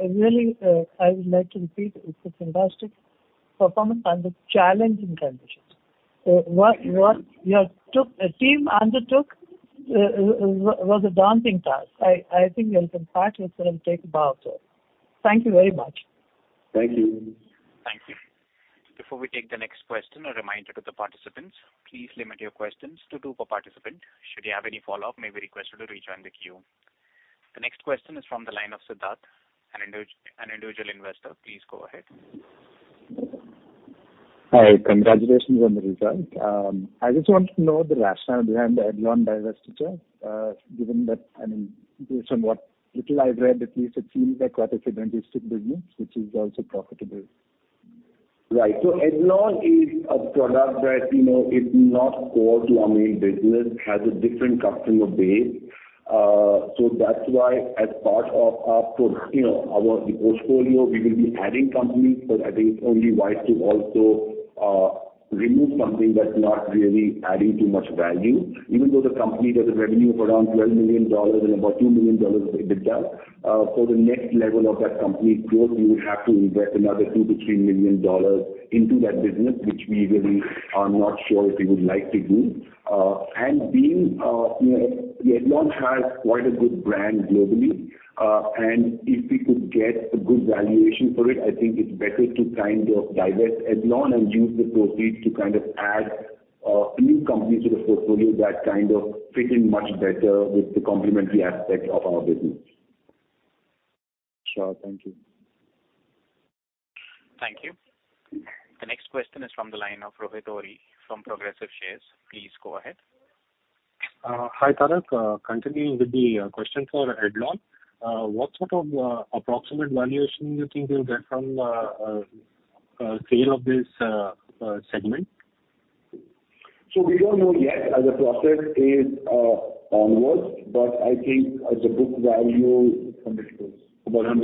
S12: Really, I would like to repeat, it's a fantastic performance under challenging conditions. What your team undertook was a daunting task. I think we'll come back with it and take a bow too. Thank you very much.
S3: Thank you.
S1: Thank you. Before we take the next question, a reminder to the participants, please limit your questions to two per participant. Should you have any follow-up, you may be requested to rejoin the queue. The next question is from the line of Siddharth, an individual investor. Please go ahead.
S13: Hi. Congratulations on the result. I just wanted to know the rationale behind the Edlon divestiture, given that, I mean, based on what little I've read, at least it seems like quite a synergistic business, which is also profitable.
S3: Right. Edlon is a product that, you know, is not core to our main business, has a different customer base. That's why as part of our portfolio, you know, we will be adding companies. I think it's only wise to also remove something that's not really adding too much value. Even though the company does a revenue of around $12 million and about $2 million of EBITDA, for the next level of that company's growth, we would have to invest another $2-$3 million into that business, which we really are not sure if we would like to do. And, you know, Edlon has quite a good brand globally. If we could get a good valuation for it, I think it's better to kind of divest Edlon and use the proceeds to kind of add new companies to the portfolio that kind of fit in much better with the complementary aspects of our business.
S13: Sure. Thank you.
S1: Thank you. The next question is from the line of Rohit Ohri from Progressive Shares. Please go ahead.
S14: Hi, Tarak. Continuing with the question for Edlon, what sort of approximate valuation do you think you'll get from sale of this segment?
S3: We don't know yet as the process is onwards, but I think as a book value.
S14: About 100 crore.
S3: About 100 crore is good for it.
S14: Yeah, I think so.
S3: Book value is about INR 100 crores. We don't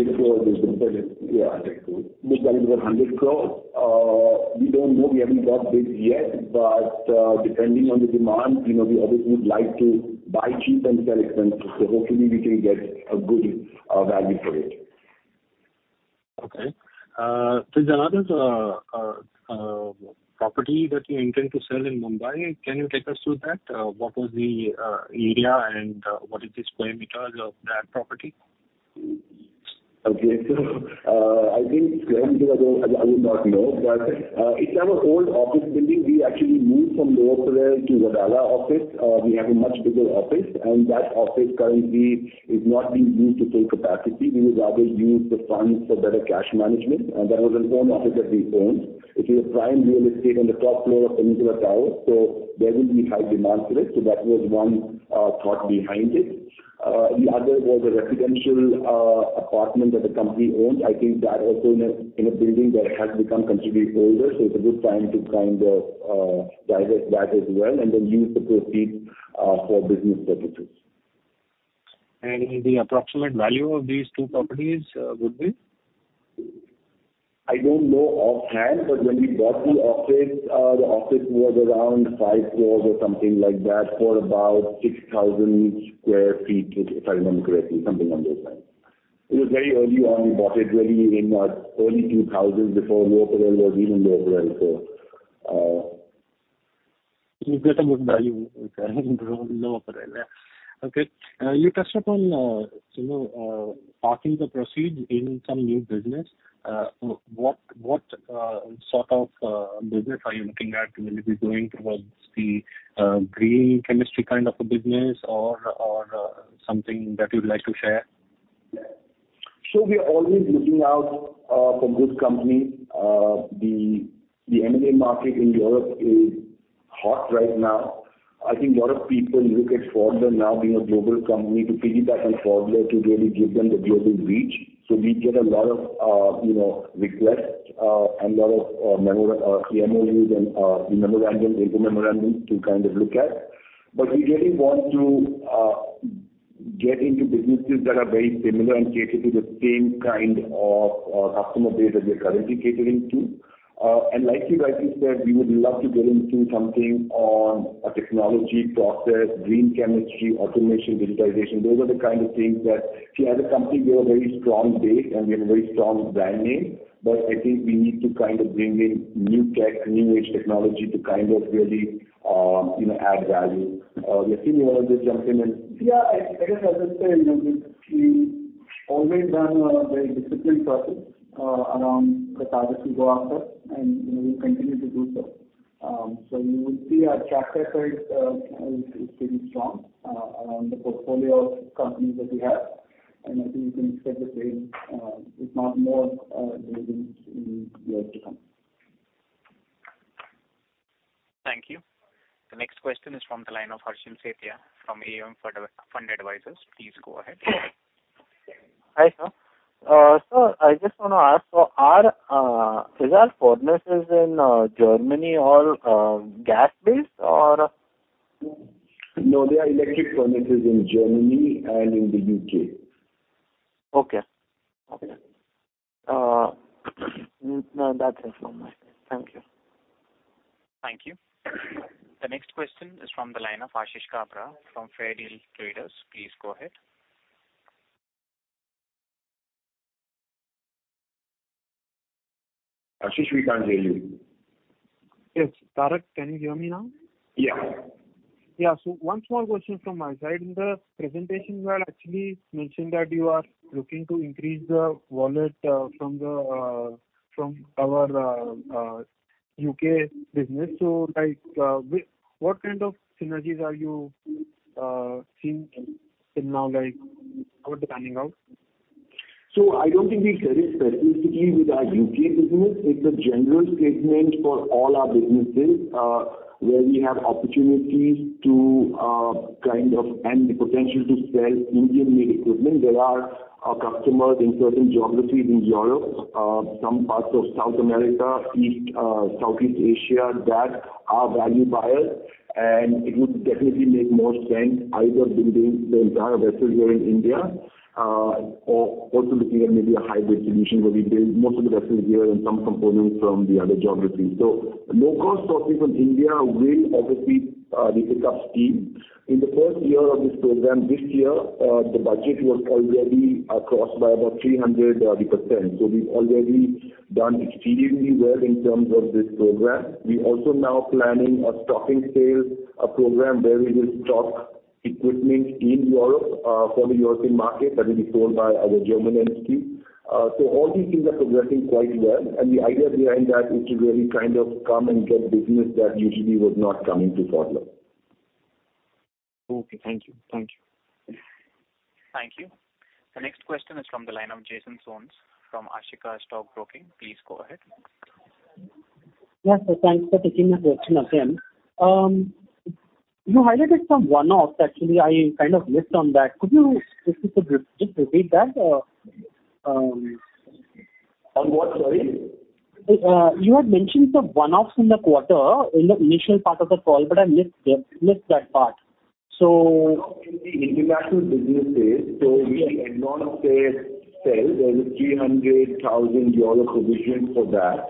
S3: know. We haven't got bids yet, but, depending on the demand, you know, we always would like to buy cheap and sell expensive, so hopefully we can get a good value for it.
S14: Okay. There's another property that you intend to sell in Mumbai. Can you take us through that? What was the area and what is the square meters of that property?
S3: Okay. I think square meters I would not know. It's our old office building. We actually moved from Lower Parel to Wadala office. We have a much bigger office, and that office currently is not being used to full capacity. We would rather use the funds for better cash management, and that was an own office that we owned. It is a prime real estate on the top floor of Vios Tower, so there will be high demand for it. That was one thought behind it. The other was a residential apartment that the company owned. I think that also in a building that has become considerably older, so it's a good time to kind of divest that as well and then use the proceeds for business purposes.
S14: The approximate value of these two properties would be?
S3: I don't know offhand, but when we bought the office, the office was around five floors or something like that for about 6,000 sq ft, if I remember correctly, something around that time. It was very early on. We bought it really in early 2000s before Lower Parel was even Lower Parel.
S14: You get a good value with Lower Parel. Yeah. Okay. You touched upon, you know, parking the proceeds in some new business. What sort of business are you looking at? Will it be going towards the green chemistry kind of a business or something that you'd like to share?
S3: We are always looking out for good companies. The M&A market in Europe is hot right now. I think a lot of people look at Pfaudler now being a global company to piggyback on Pfaudler to really give them the global reach. We get a lot of, you know, requests, and a lot of memos, CIMs and memorandums, executive memorandums to kind of look at. We really want to get into businesses that are very similar and cater to the same kind of customer base that we're currently catering to. Like you rightly said, we would love to get into something on a technology process, green chemistry, automation, digitization. Those are the kind of things that, see, as a company, we have a very strong base, and we have a very strong brand name, but I think we need to kind of bring in new tech, new age technology to kind of really, you know, add value. Aseem, you wanna just jump in and-
S7: Yeah, I guess I'll just say, you know, we've seen Always done a very disciplined process around the targets we go after, and we continue to do so. You will see our track record is pretty strong around the portfolio of companies that we have, and I think you can expect the same, if not more, during in years to come.
S1: Thank you. The next question is from the line of Harshil Shethia from AUM Fund Advisors. Please go ahead.
S6: Hi, sir. Sir, I just wanna ask, is our furnaces in Germany all gas-based or?
S3: No, they are electric furnaces in Germany and in the U.K..
S6: Okay. No, that's it from my side. Thank you.
S1: Thank you. The next question is from the line of Ashish Kabra from Fairdeal Traders. Please go ahead.
S3: Ashish, we can't hear you.
S9: Yes. Tarak, can you hear me now?
S3: Yeah.
S9: Yeah. One small question from my side. In the presentation you had actually mentioned that you are looking to increase the wallet from our U.K. business. Like, what kind of synergies are you seeing till now? Like, how is it panning out?
S3: I don't think we said it specifically with our U..K business. It's a general statement for all our businesses, where we have opportunities to kind of earn the potential to sell Indian-made equipment. There are customers in certain geographies in Europe, some parts of South America, East, Southeast Asia, that are value buyers, and it would definitely make more sense either building the entire vessel here in India, or also looking at maybe a hybrid solution where we build most of the vessels here and some components from the other geographies. Low cost sourcing from India will obviously pick up steam. In the first year of this program, this year, the budget was already crossed by about 300%. We've already done exceedingly well in terms of this program. We also now planning a stocking sales, a program where we will stock equipment in Europe, for the European market that will be sold by our German entity. All these things are progressing quite well. The idea behind that is to really kind of come and get business that usually would not come into Pfaudler.
S9: Okay. Thank you. Thank you.
S1: Thank you. The next question is from the line of Jason Soans from Ashika Stock Broking. Please go ahead.
S10: Yeah. Thanks for taking the question again. You highlighted some one-offs. Actually, I kind of missed on that. Could you, if you could just repeat that.
S3: On what, sorry?
S10: You had mentioned the one-offs in the quarter in the initial part of the call, but I missed that part.
S3: In the international businesses, we had an Edlon sale. There is 300,000 euro provision for that.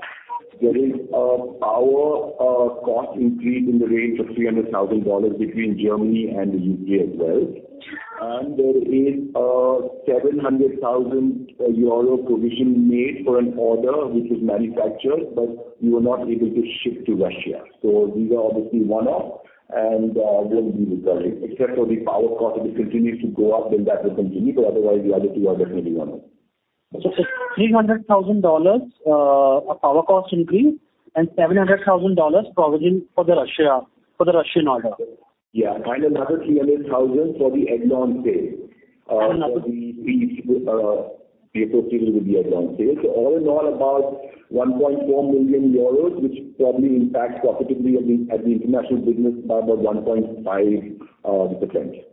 S3: There is a power cost increase in the range of $300,000 between Germany and the U.K. as well. There is 700,000 euro provision made for an order which was manufactured, but we were not able to ship to Russia. These are obviously one-off and won't be recurring except for the power cost. If it continues to go up, then that will continue. Otherwise the other two are definitely one-off.
S10: Okay. $300,000 power cost increase and $700,000 provision for the Russian order.
S3: Yeah. Another 300 thousand for the add-on sale.
S10: And another-
S3: For the associated with the add-on sale. All in all, about 1.4 million euros, which probably impacts profitability at the international business by about 1.5%.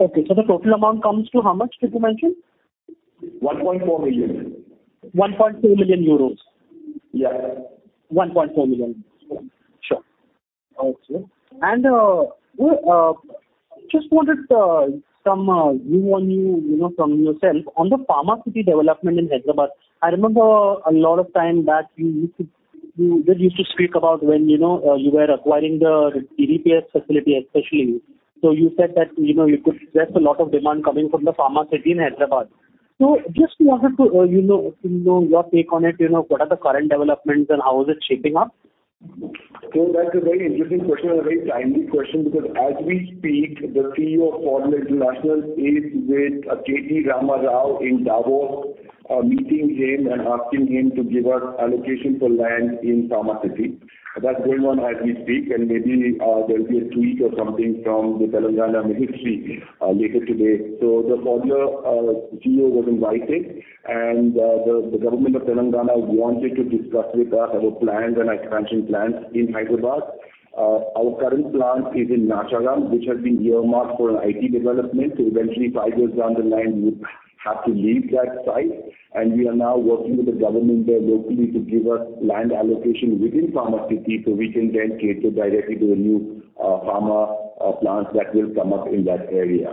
S10: Okay. The total amount comes to how much did you mention?
S3: 1.4 million.
S10: 1.4 million euros.
S3: Yeah.
S10: 1.4 million.
S3: Yeah.
S10: Sure. Okay. Just wanted some view from you know, from yourself on the Pharma City development in Hyderabad. I remember a long time back you used to speak about when, you know, you were acquiring the DDPS facility especially. You said that, you know, you could address a lot of demand coming from the Pharma City in Hyderabad. Just wanted to, you know, your take on it, you know, what are the current developments and how is it shaping up?
S3: That's a very interesting question and a very timely question because as we speak, the CEO of Pfaudler International is with K.T. Rama Rao in Davos, meeting him and asking him to give us allocation for land in Pharma City. That's going on as we speak, and maybe there'll be a tweet or something from the Telangana ministry later today. The Pfaudler CEO was invited, and the government of Telangana wanted to discuss with us our plans and expansion plans in Hyderabad. Our current plant is in Nacharam, which has been earmarked for an IT development. Eventually five years down the line, we have to leave that site, and we are now working with the government there locally to give us land allocation within Pharma City, so we can then cater directly to the new, pharma, plants that will come up in that area.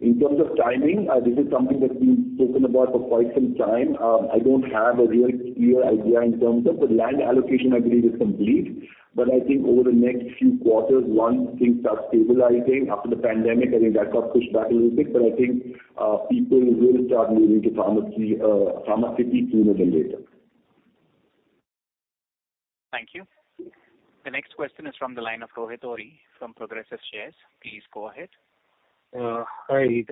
S3: In terms of timing, this is something that we've spoken about for quite some time. I don't have a real clear idea in terms of the land allocation I believe is complete. I think over the next few quarters, once things start stabilizing after the pandemic, I think that got pushed back a little bit. I think people will start moving to Pharma City sooner than later.
S1: Next question is from the line of Rohit Ohri from Progressive Shares. Please go ahead.
S14: Hi.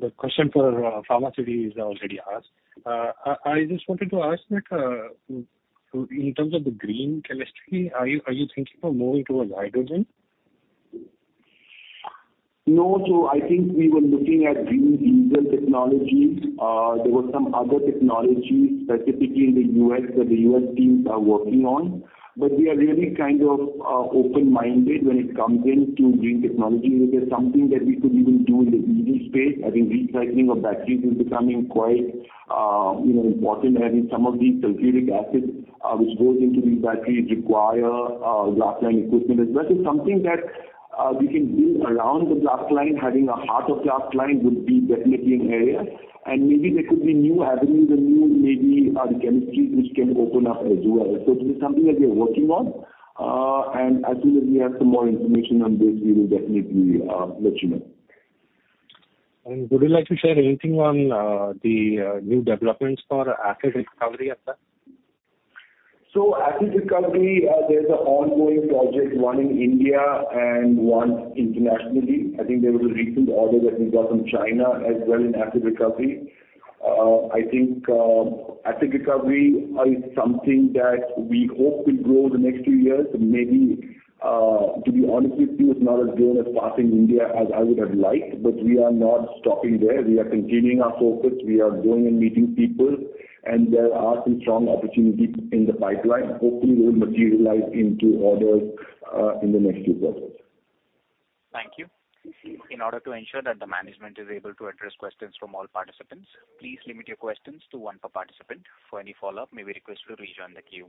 S14: The question for Pharma City is already asked. I just wanted to ask that, in terms of the green chemistry, are you thinking of moving towards hydrogen?
S3: No. I think we were looking at green diesel technologies. There were some other technologies, specifically in the U.S., that the U.S. teams are working on. We are really kind of open-minded when it comes into green technology. If there's something that we could even do in the EV space, I think recycling of batteries is becoming quite, you know, important. I think some of these sulfuric acids, which goes into these batteries require, glass-lined equipment as well. Something that we can build around the glass line, having at heart the glass line would be definitely an area. Maybe there could be new avenues and new, maybe, chemistries which can open up as well. It is something that we are working on. As soon as we have some more information on this, we will definitely let you know.
S14: Would you like to share anything on the new developments for acid recovery asset?
S3: Acid recovery, there's an ongoing project, one in India and one internationally. I think there was a recent order that we got from China as well in acid recovery. I think acid recovery is something that we hope will grow in the next few years. Maybe, to be honest with you, it's not as grown as fast in India as I would have liked, but we are not stopping there. We are continuing our focus. We are going and meeting people, and there are some strong opportunities in the pipeline. Hopefully, it will materialize into orders in the next few quarters.
S1: Thank you. In order to ensure that the management is able to address questions from all participants, please limit your questions to one per participant. For any follow-up, may we request you to rejoin the queue.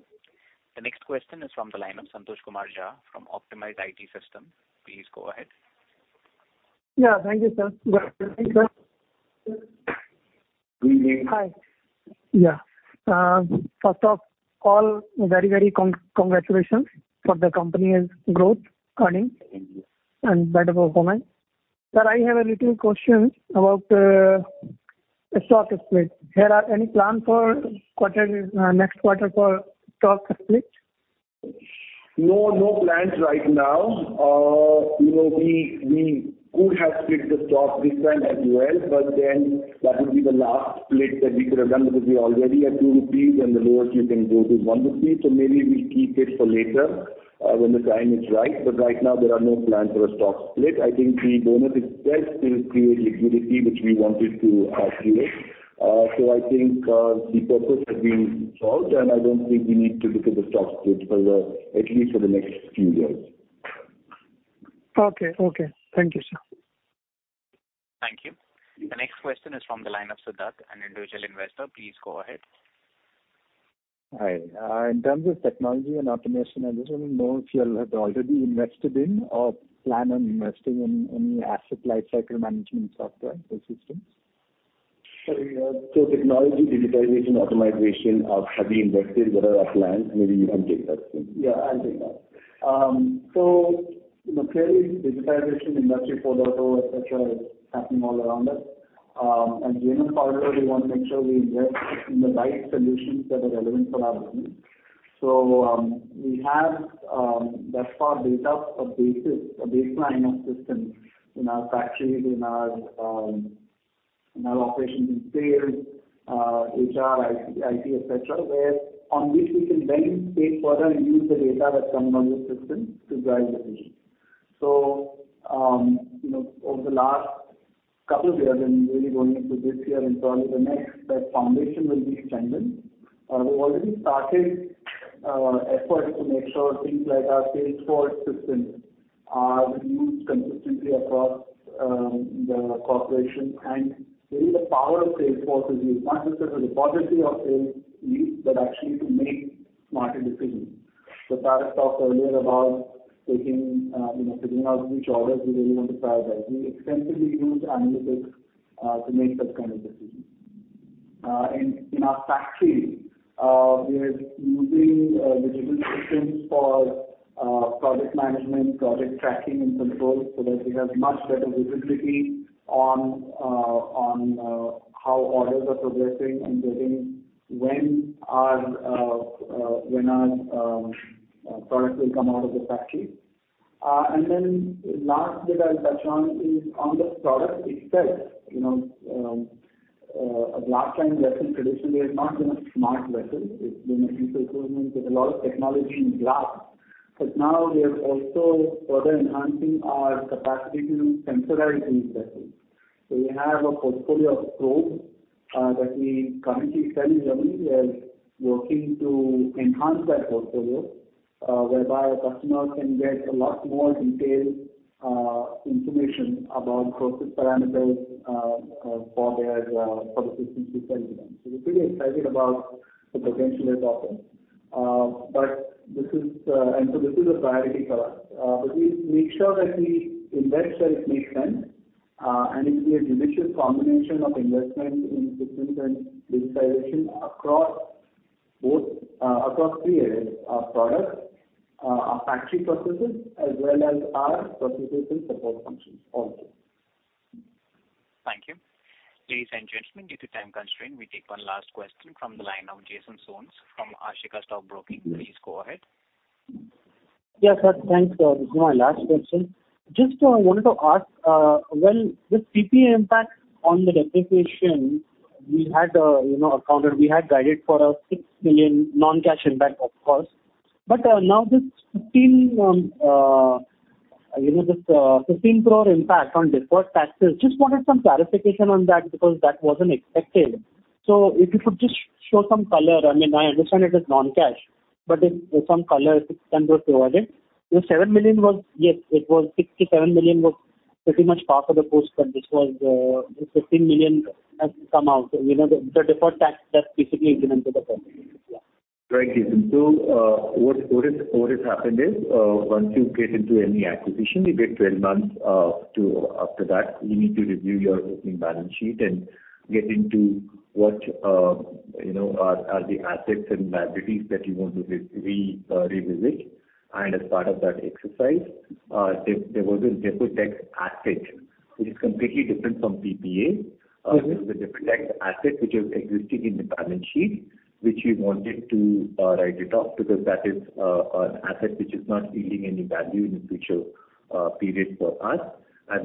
S1: The next question is from the line of Santosh Kumar Jha from Optimized IT System. Please go ahead.
S15: Yeah, thank you, sir. Good afternoon, sir.
S3: We hear you.
S15: Hi. Yeah. First of all, very congratulations for the company's growth, earnings, and better performance. Sir, I have a little question about the stock split. Are there any plans for the next quarter for stock split?
S3: No, no plans right now. You know, we could have split the stock this time as well, but then that would be the last split that we could have done because we're already at 2 rupees and the lowest you can go to 1 rupee. Maybe we keep it for later, when the time is right. Right now there are no plans for a stock split. I think the bonus itself will create liquidity, which we wanted to create. The purpose has been solved, and I don't think we need to look at the stock split for at least the next few years.
S15: Okay. Thank you, sir.
S1: Thank you. The next question is from the line of Siddharth, an individual investor. Please go ahead.
S13: Hi. In terms of technology and automation, I just want to know if you have already invested in or plan on investing in any asset lifecycle management software or systems.
S3: Sorry, technology, digitalization, automation, have we invested, what are our plans? Maybe you can take that, Siddharth.
S7: Yeah, I'll take that. Clearly, digitalization, Industry 4.0, et cetera, is happening all around us. As a general consensus, we want to make sure we invest in the right solutions that are relevant for our business. We have thus far built up a basis, a baseline of systems in our factories, in our operations in sales, HR, IT, et cetera, upon which we can then take further and use the data that comes on the system to drive decisions. You know, over the last couple of years and really going into this year and probably the next, that foundation will be strengthened. We've already started efforts to make sure things like our Salesforce systems are used consistently across the corporation. Really the power of Salesforce is used not just as a repository of sales leads, but actually to make smarter decisions. Tarak talked earlier about taking, you know, figuring out which orders we really want to prioritize. We extensively use analytics to make such kind of decisions. In our factories, we are using digital systems for project management, project tracking and control so that we have much better visibility on how orders are progressing and building when our products will come out of the factory. Then last bit I'll touch on is on the product itself. You know, a glass-lined vessel traditionally has not been a smart vessel. It's been a piece of equipment with a lot of technology in glass. Now we are also further enhancing our capacity to sensorize these vessels. We have a portfolio of probes that we currently sell in Germany. We are working to enhance that portfolio, whereby a customer can get a lot more detailed information about process parameters for the systems we sell to them. We're pretty excited about the potential that offers. This is a priority for us. We make sure that we invest where it makes sense, and it's a judicious combination of investment in systems and digitalization across three areas, our products, our factory processes, as well as our process and support functions also.
S1: Thank you. Ladies and gentlemen, due to time constraint, we take one last question from the line of Jason Soans from Ashika Stock Broking. Please go ahead.
S10: Yes, sir. Thanks. This is my last question. Just wanted to ask, well, this PPA impact on the depreciation, we had, you know, accounted. We had guided for 6 million non-cash impact, of course. Now this 15 crore impact on deferred taxes, just wanted some clarification on that because that wasn't expected. If you could just show some color. I mean, I understand it is non-cash, but if some color can be provided. The 67 million was pretty much part of the P&L, but this was the 15 million has come out. You know, the deferred tax that's basically incremented upon.
S3: Right, Jason. What has happened is, once you get into any acquisition, you get 12 months. After that, you need to review your opening balance sheet and get into what you know are the assets and liabilities that you want to revisit. As part of that exercise, there was a deferred tax asset which is completely different from PPA.
S10: Okay.
S3: There was a deferred tax asset which is existing in the balance sheet, which we wanted to write it off because that is an asset which is not yielding any value in the future period for us.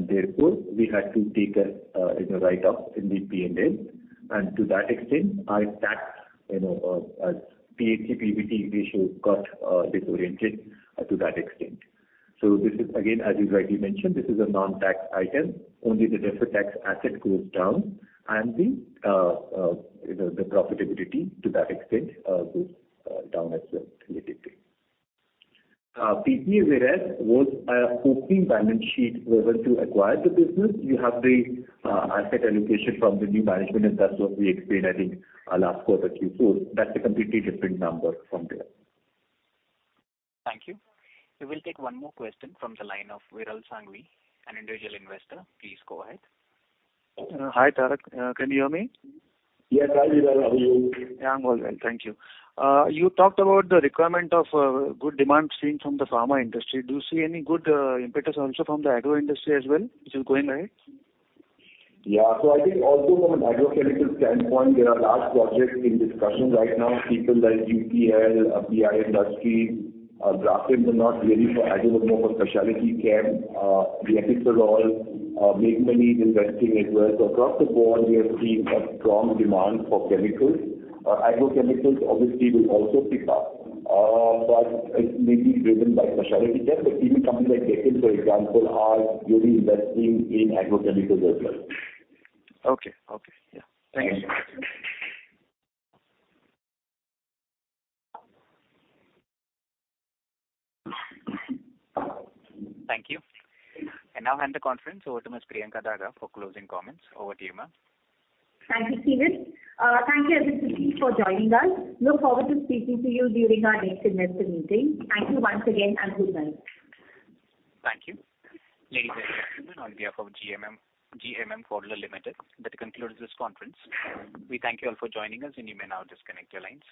S3: Therefore, we had to take a you know, write-off in the P&L. To that extent, our tax to PBT ratio got deteriorated to that extent. This is again, as you rightly mentioned, this is a non-cash item. Only the deferred tax asset goes down and the you know, the profitability to that extent goes down as well relatively. PPA, whereas, was an opening balance sheet. We were to acquire the business. You have the asset allocation from the new management, and that's what we explained, I think, last quarter Q4. That's a completely different number from there.
S1: Thank you. We will take one more question from the line of Virel Sanghvi, an individual investor. Please go ahead.
S16: Hi, Tarak. Can you hear me?
S3: Yes, I hear you. How are you?
S16: Yeah, I'm all well. Thank you. You talked about the requirement of good demand seen from the pharma industry. Do you see any good impetus also from the agro industry as well, which is going right?
S3: Yeah. I think also from an agrochemical standpoint, there are large projects in discussion right now. People like UPL, PI Industries, Grasim are not really for agro but more for specialty chem. Aarti Industries are all making many investments as well. Across the board we are seeing a strong demand for chemicals. Agrochemicals obviously will also pick up. It may be driven by specialty chem, but even companies like Dhanuka, for example, are really investing in agrochemicals as well.
S16: Okay. Yeah. Thank you so much.
S1: Thank you. I now hand the conference over to Miss Priyanka Daga for closing comments. Over to you, ma'am.
S2: Thank you, Kevin. Thank you everybody for joining us. Look forward to speaking to you during our next investor meeting. Thank you once again and good night.
S1: Thank you. Ladies and gentlemen, on behalf of GMM Pfaudler Limited, that concludes this conference. We thank you all for joining us, and you may now disconnect your lines.